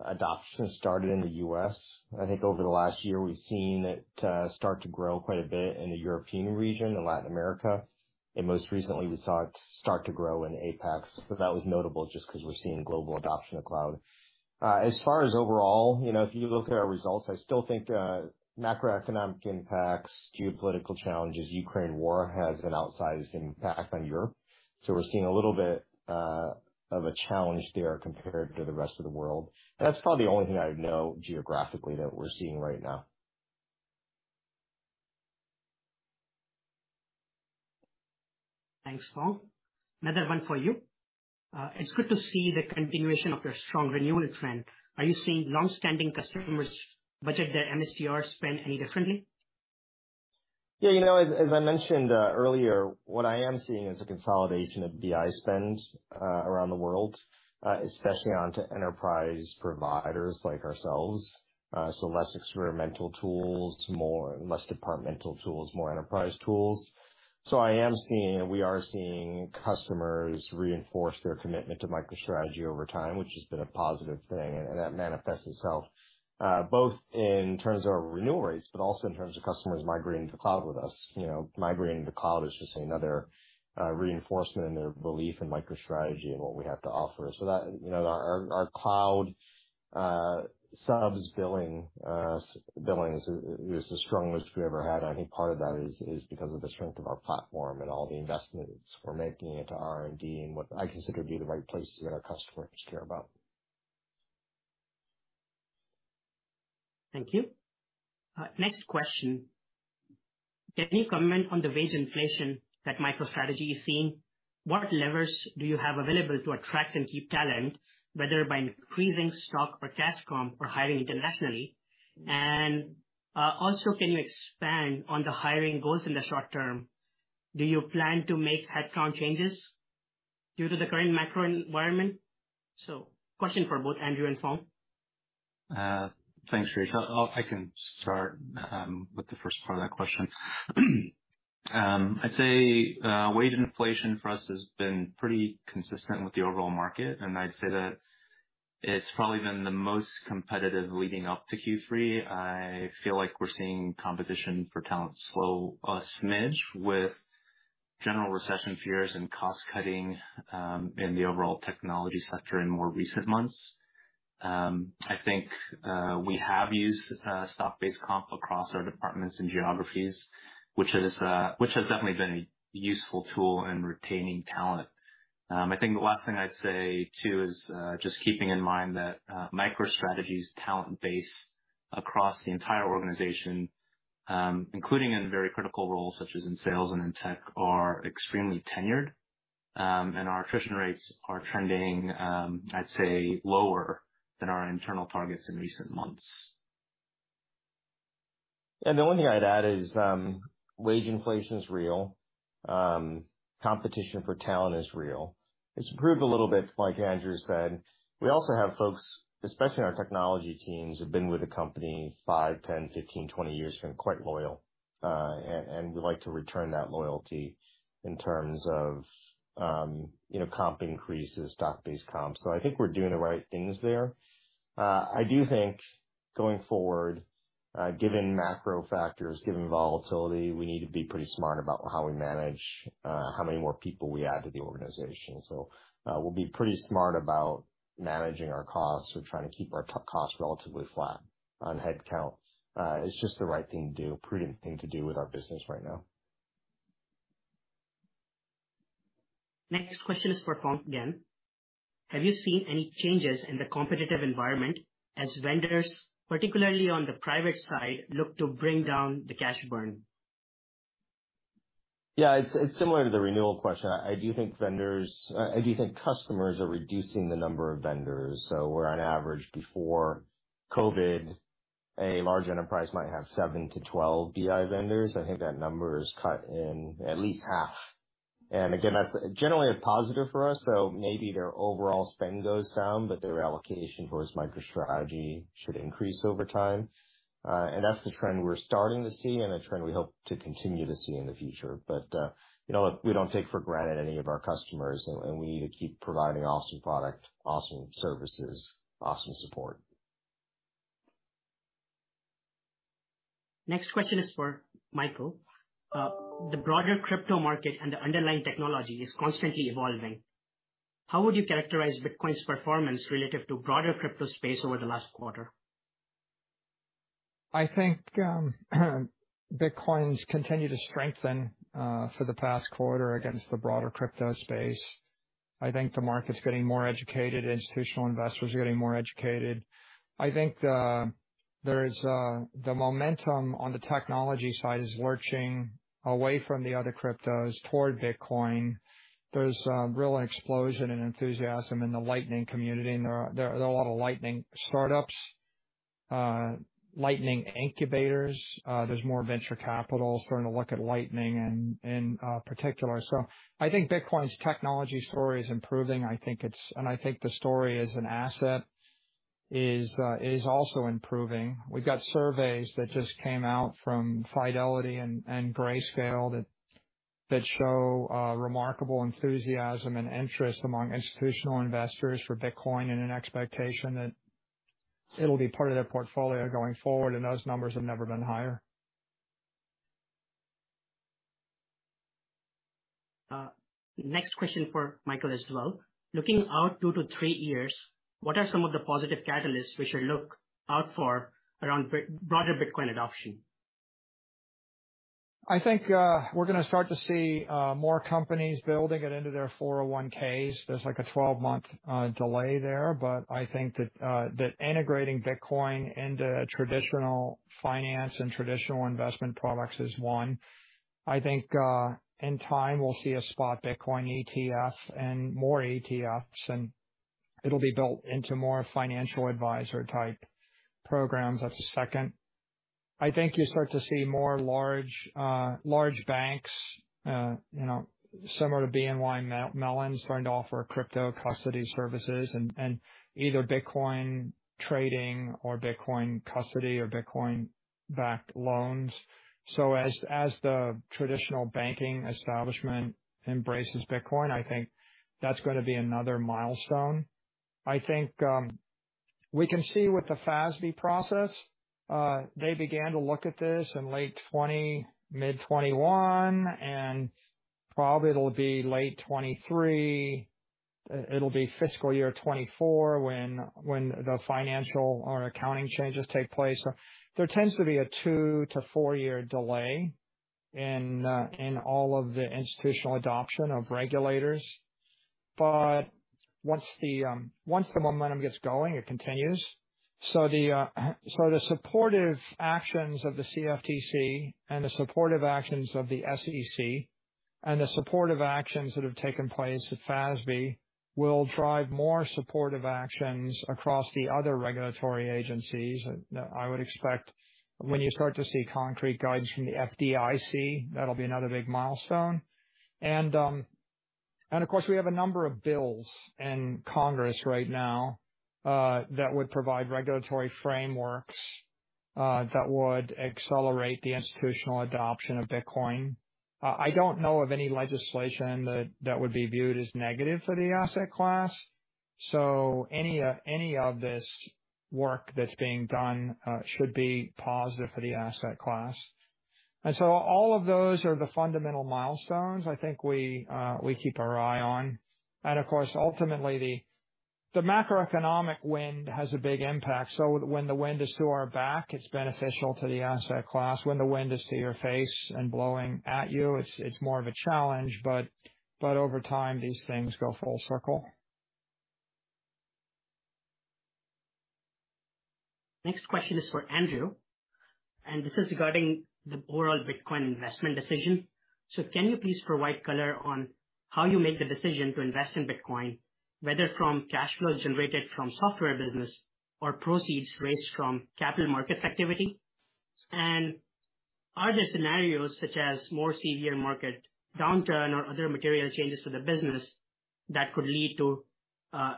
adoption started in the U.S. I think over the last year we've seen it start to grow quite a bit in the European region and Latin America. Most recently we saw it start to grow in APAC, so that was notable just 'cause we're seeing global adoption of Cloud. As far as overall, you know, if you look at our results, I still think macroeconomic impacts, geopolitical challenges, Ukraine war has an outsized impact on Europe. We're seeing a little bit of a challenge there compared to the rest of the world. That's probably the only thing I would note geographically that we're seeing right now. Thanks, Phong. Another one for you. It's good to see the continuation of your strong renewal trend. Are you seeing longstanding customers budget their MSTR spend any differently? Yeah, you know, as I mentioned earlier, what I am seeing is a consolidation of BI spend around the world, especially onto enterprise providers like ourselves. Less experimental tools, less departmental tools, more enterprise tools. I am seeing, and we are seeing customers reinforce their commitment to MicroStrategy over time, which has been a positive thing. That manifests itself both in terms of renewal rates, but also in terms of customers migrating to cloud with us. You know, migrating to cloud is just another reinforcement in their belief in MicroStrategy and what we have to offer. That, you know, our cloud subs billings is the strongest we've ever had. I think part of that is because of the strength of our platform and all the investments we're making into R&D and what I consider to be the right places that our customers care about. Thank you. Next question. Can you comment on the wage inflation that MicroStrategy is seeing? What levers do you have available to attract and keep talent, whether by increasing stock or cash comp or hiring internationally? Also can you expand on the hiring goals in the short term? Do you plan to make headcount changes due to the current macro environment? Question for both Andrew and Phong. Thanks, Shirish. I can start with the first part of that question. I'd say wage inflation for us has been pretty consistent with the overall market, and I'd say that it's probably been the most competitive leading up to Q3. I feel like we're seeing competition for talent slow a smidge with general recession fears and cost-cutting in the overall technology sector in more recent months. I think we have used stock-based comp across our departments and geographies, which has definitely been a useful tool in retaining talent. I think the last thing I'd say too is just keeping in mind that MicroStrategy's talent base across the entire organization, including in very critical roles such as in sales and in tech, are extremely tenured. Our attrition rates are trending, I'd say, lower than our internal targets in recent months. The only thing I'd add is, wage inflation is real. Competition for talent is real. It's improved a little bit, like Andrew said. We also have folks, especially in our technology teams, who've been with the company five, 10, 15, 20 years, been quite loyal. We like to return that loyalty in terms of, you know, comp increases, stock-based comp. I think we're doing the right things there. I do think going forward, given macro factors, given volatility, we need to be pretty smart about how we manage, how many more people we add to the organization. We'll be pretty smart about managing our costs. We're trying to keep our costs relatively flat on headcount. It's just the right thing to do, prudent thing to do with our business right now. Next question is for Phong again. Have you seen any changes in the competitive environment as vendors, particularly on the private side, look to bring down the cash burn? Yeah, it's similar to the renewal question. I do think customers are reducing the number of vendors. Where on average before COVID, a large enterprise might have seven-12 BI vendors, I think that number is cut in at least half. Again, that's generally a positive for us. Maybe their overall spend goes down, but their allocation towards MicroStrategy should increase over time. That's the trend we're starting to see and a trend we hope to continue to see in the future. You know, look, we don't take for granted any of our customers, and we need to keep providing awesome product, awesome services, awesome support. Next question is for Michael. The broader crypto market and the underlying technology is constantly evolving. How would you characterize Bitcoin's performance relative to broader crypto space over the last quarter? I think, Bitcoin's continued to strengthen for the past quarter against the broader crypto space. I think the market's getting more educated. Institutional investors are getting more educated. I think, there's the momentum on the technology side is lurching away from the other cryptos toward Bitcoin. There's a real explosion and enthusiasm in the Lightning community, and there are a lot of Lightning startups, Lightning incubators. There's more venture capital starting to look at Lightning in particular. I think Bitcoin's technology story is improving. I think it's and I think the story as an asset is also improving. We've got surveys that just came out from Fidelity and Grayscale that show remarkable enthusiasm and interest among institutional investors for Bitcoin and an expectation that it'll be part of their portfolio going forward, and those numbers have never been higher. Next question for Michael as well. Looking out two-three years, what are some of the positive catalysts we should look out for around broader Bitcoin adoption? I think, we're gonna start to see, more companies building it into their 401(k)s. There's like a 12-month delay there. I think that integrating Bitcoin into traditional finance and traditional investment products is one. I think, in time, we'll see a spot Bitcoin ETF and more ETFs. It'll be built into more financial advisor type programs. That's the second. I think you start to see more large banks, you know, similar to BNY Mellon starting to offer crypto custody services and either Bitcoin trading or Bitcoin custody or Bitcoin-backed loans. As the traditional banking establishment embraces Bitcoin, I think that's gonna be another milestone. I think, we can see with the FASB process, they began to look at this in late 2020, mid 2021, and probably it'll be late 2023. It'll be fiscal year 2024 when the financial or accounting changes take place. There tends to be a two-four-year delay in all of the institutional adoption by regulators. Once the momentum gets going, it continues. The supportive actions of the CFTC and the supportive actions of the SEC and the supportive actions that have taken place at FASB will drive more supportive actions across the other regulatory agencies. I would expect when you start to see concrete guidance from the FDIC, that'll be another big milestone. Of course, we have a number of bills in Congress right now that would provide regulatory frameworks that would accelerate the institutional adoption of Bitcoin. I don't know of any legislation that would be viewed as negative for the asset class. Any of this work that's being done should be positive for the asset class. All of those are the fundamental milestones I think we keep our eye on. Of course, ultimately, the macroeconomic wind has a big impact. When the wind is to our back, it's beneficial to the asset class. When the wind is to your face and blowing at you, it's more of a challenge, but over time, these things go full circle. Next question is for Andrew, and this is regarding the overall Bitcoin investment decision. Can you please provide color on how you make the decision to invest in Bitcoin, whether from cash flows generated from software business or proceeds raised from capital markets activity? And are there scenarios such as more severe market downturn or other material changes to the business that could lead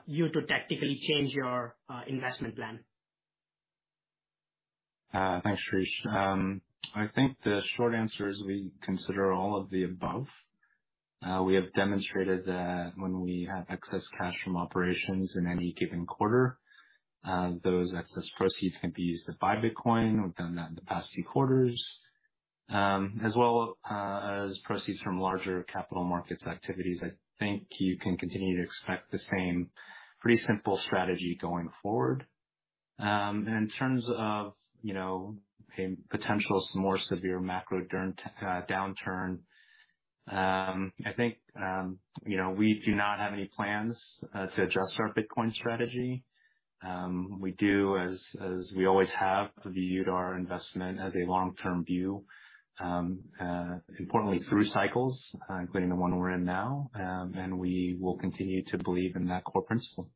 you to tactically change your investment plan? Thanks, Shirish. I think the short answer is we consider all of the above. We have demonstrated that when we have excess cash from operations in any given quarter, those excess proceeds can be used to buy Bitcoin. We've done that in the past few quarters. As well as proceeds from larger capital markets activities. I think you can continue to expect the same pretty simple strategy going forward. In terms of, you know, a potential more severe macro downturn, I think, you know, we do not have any plans to adjust our Bitcoin strategy. We do, as we always have, viewed our investment as a long-term view, importantly through cycles, including the one we're in now, and we will continue to believe in that core principle.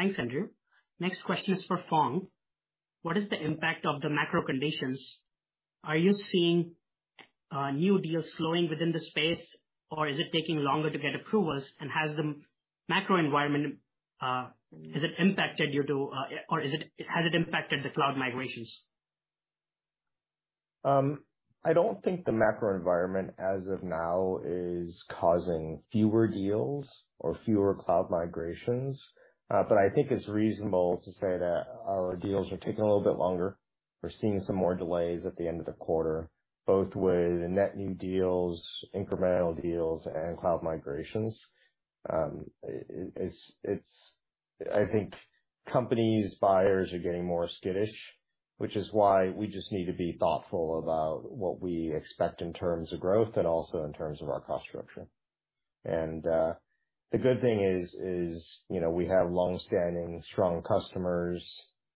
Thanks, Andrew. Next question is for Phong. What is the impact of the macro conditions? Are you seeing new deals slowing within the space, or is it taking longer to get approvals? Has the macro environment impacted you too, or has it impacted the cloud migrations? I don't think the macro environment as of now is causing fewer deals or fewer cloud migrations. I think it's reasonable to say that our deals are taking a little bit longer. We're seeing some more delays at the end of the quarter, both with net new deals, incremental deals, and cloud migrations. I think companies, buyers are getting more skittish, which is why we just need to be thoughtful about what we expect in terms of growth and also in terms of our cost structure. The good thing is, you know, we have long-standing strong customers,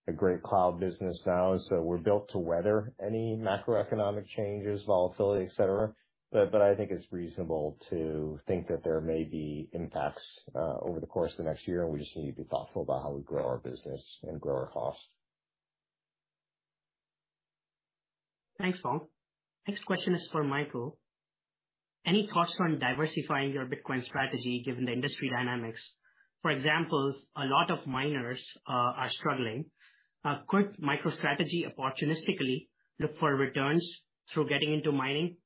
a great cloud business now. We're built to weather any macroeconomic changes, volatility, et cetera. I think it's reasonable to think that there may be impacts over the course of the next year, and we just need to be thoughtful about how we grow our business and grow our costs. Thanks, Phong. Next question is for Michael. Any thoughts on diversifying your Bitcoin strategy given the industry dynamics? For example, a lot of miners are struggling. Could MicroStrategy opportunistically look for returns through getting into mining?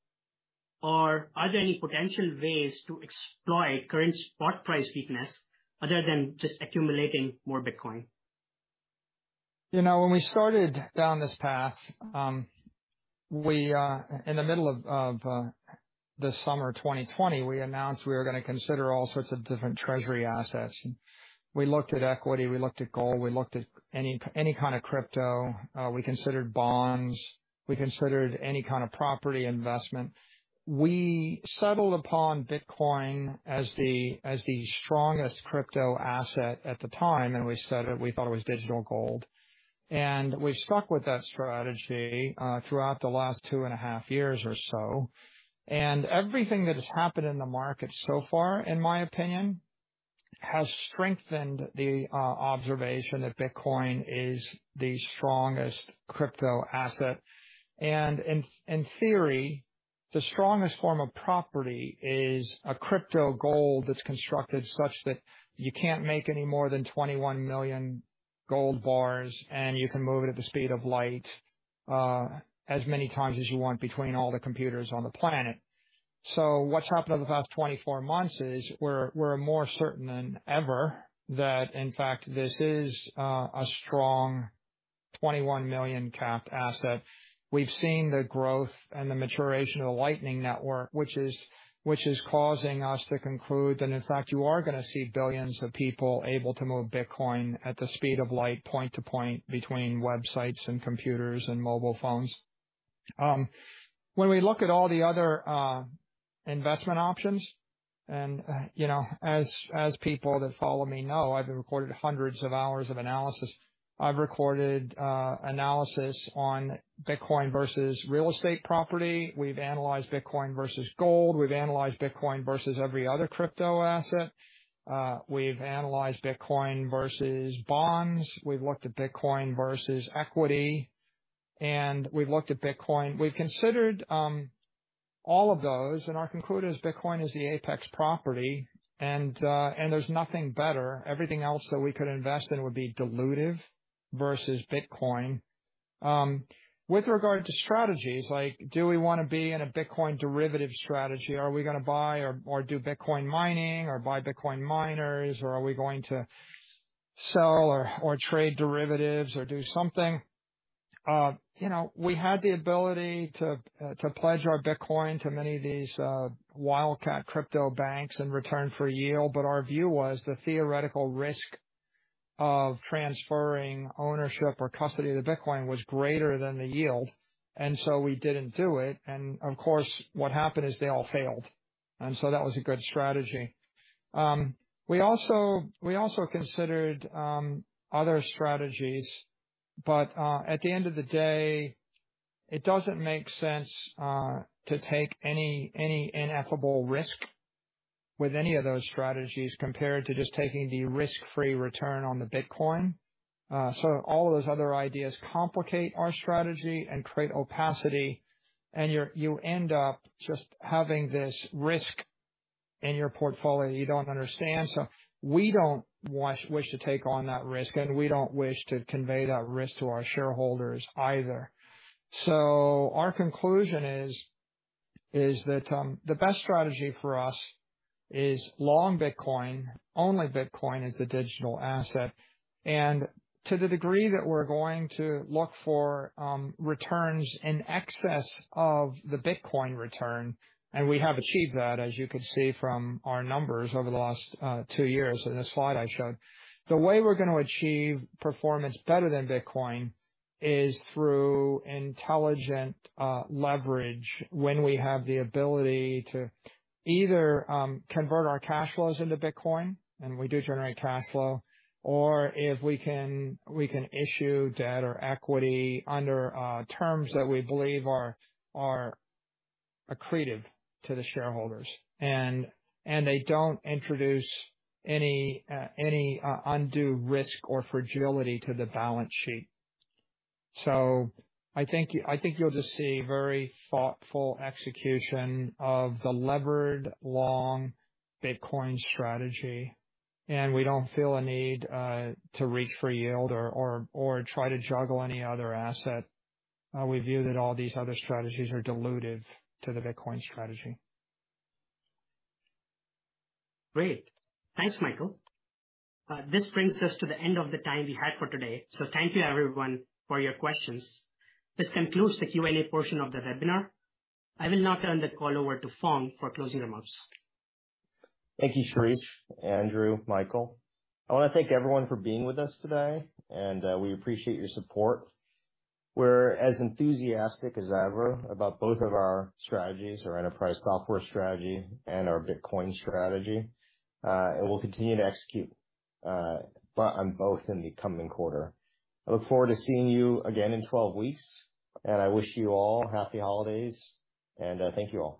Or are there any potential ways to exploit current spot price weakness other than just accumulating more Bitcoin? You know, when we started down this path, in the middle of the summer of 2020, we announced we were gonna consider all sorts of different treasury assets. We looked at equity, we looked at gold, we looked at any kind of crypto. We considered bonds. We considered any kind of property investment. We settled upon Bitcoin as the strongest crypto asset at the time, and we said it, we thought it was digital gold. We've stuck with that strategy throughout the last two and a half years or so. Everything that has happened in the market so far, in my opinion, has strengthened the observation that Bitcoin is the strongest crypto asset. In theory, the strongest form of property is a crypto gold that's constructed such that you can't make any more than 21 million gold bars, and you can move it at the speed of light as many times as you want between all the computers on the planet. What's happened over the past 24 months is we're more certain than ever that in fact this is a strong 21 million capped asset. We've seen the growth and the maturation of the Lightning Network, which is causing us to conclude that in fact, you are gonna see billions of people able to move Bitcoin at the speed of light point to point between websites and computers and mobile phones. When we look at all the other investment options, and you know, as people that follow me know, I've recorded hundreds of hours of analysis. I've recorded analysis on Bitcoin versus real estate property. We've analyzed Bitcoin versus gold. We've analyzed Bitcoin versus every other crypto asset. We've analyzed Bitcoin versus bonds. We've looked at Bitcoin versus equity. We've looked at Bitcoin. We've considered all of those, and our conclusion is Bitcoin is the apex property, and there's nothing better. Everything else that we could invest in would be dilutive versus Bitcoin. With regard to strategies, like, do we wanna be in a Bitcoin derivative strategy? Are we gonna buy or do Bitcoin mining or buy Bitcoin miners, or are we going to sell or trade derivatives or do something? You know, we had the ability to pledge our Bitcoin to many of these wildcat crypto banks in return for yield, but our view was the theoretical risk of transferring ownership or custody of the Bitcoin was greater than the yield. We didn't do it. That was a good strategy. We also considered other strategies, but at the end of the day, it doesn't make sense to take any ineffable risk with any of those strategies compared to just taking the risk-free return on the Bitcoin. All of those other ideas complicate our strategy and create opacity, and you end up just having this risk in your portfolio you don't understand. We don't wish to take on that risk, and we don't wish to convey that risk to our shareholders either. Our conclusion is that the best strategy for us is long Bitcoin, only Bitcoin as a digital asset. To the degree that we're going to look for returns in excess of the Bitcoin return, and we have achieved that, as you could see from our numbers over the last two years in the slide I showed. The way we're gonna achieve performance better than Bitcoin is through intelligent leverage when we have the ability to either convert our cash flows into Bitcoin, and we do generate cash flow, or if we can, we can issue debt or equity under terms that we believe are accretive to the shareholders, and they don't introduce any undue risk or fragility to the balance sheet. I think you'll just see very thoughtful execution of the levered long Bitcoin strategy. We don't feel a need to reach for yield or try to juggle any other asset. We view that all these other strategies are dilutive to the Bitcoin strategy. Great. Thanks, Michael. This brings us to the end of the time we had for today. Thank you everyone for your questions. This concludes the Q&A portion of the webinar. I will now turn the call over to Phong for closing remarks. Thank you, Shirish, Andrew, Michael. I wanna thank everyone for being with us today, and we appreciate your support. We're as enthusiastic as ever about both of our strategies, our enterprise software strategy and our Bitcoin strategy. We'll continue to execute but on both in the coming quarter. I look forward to seeing you again in 12 weeks, and I wish you all happy holidays, and thank you all.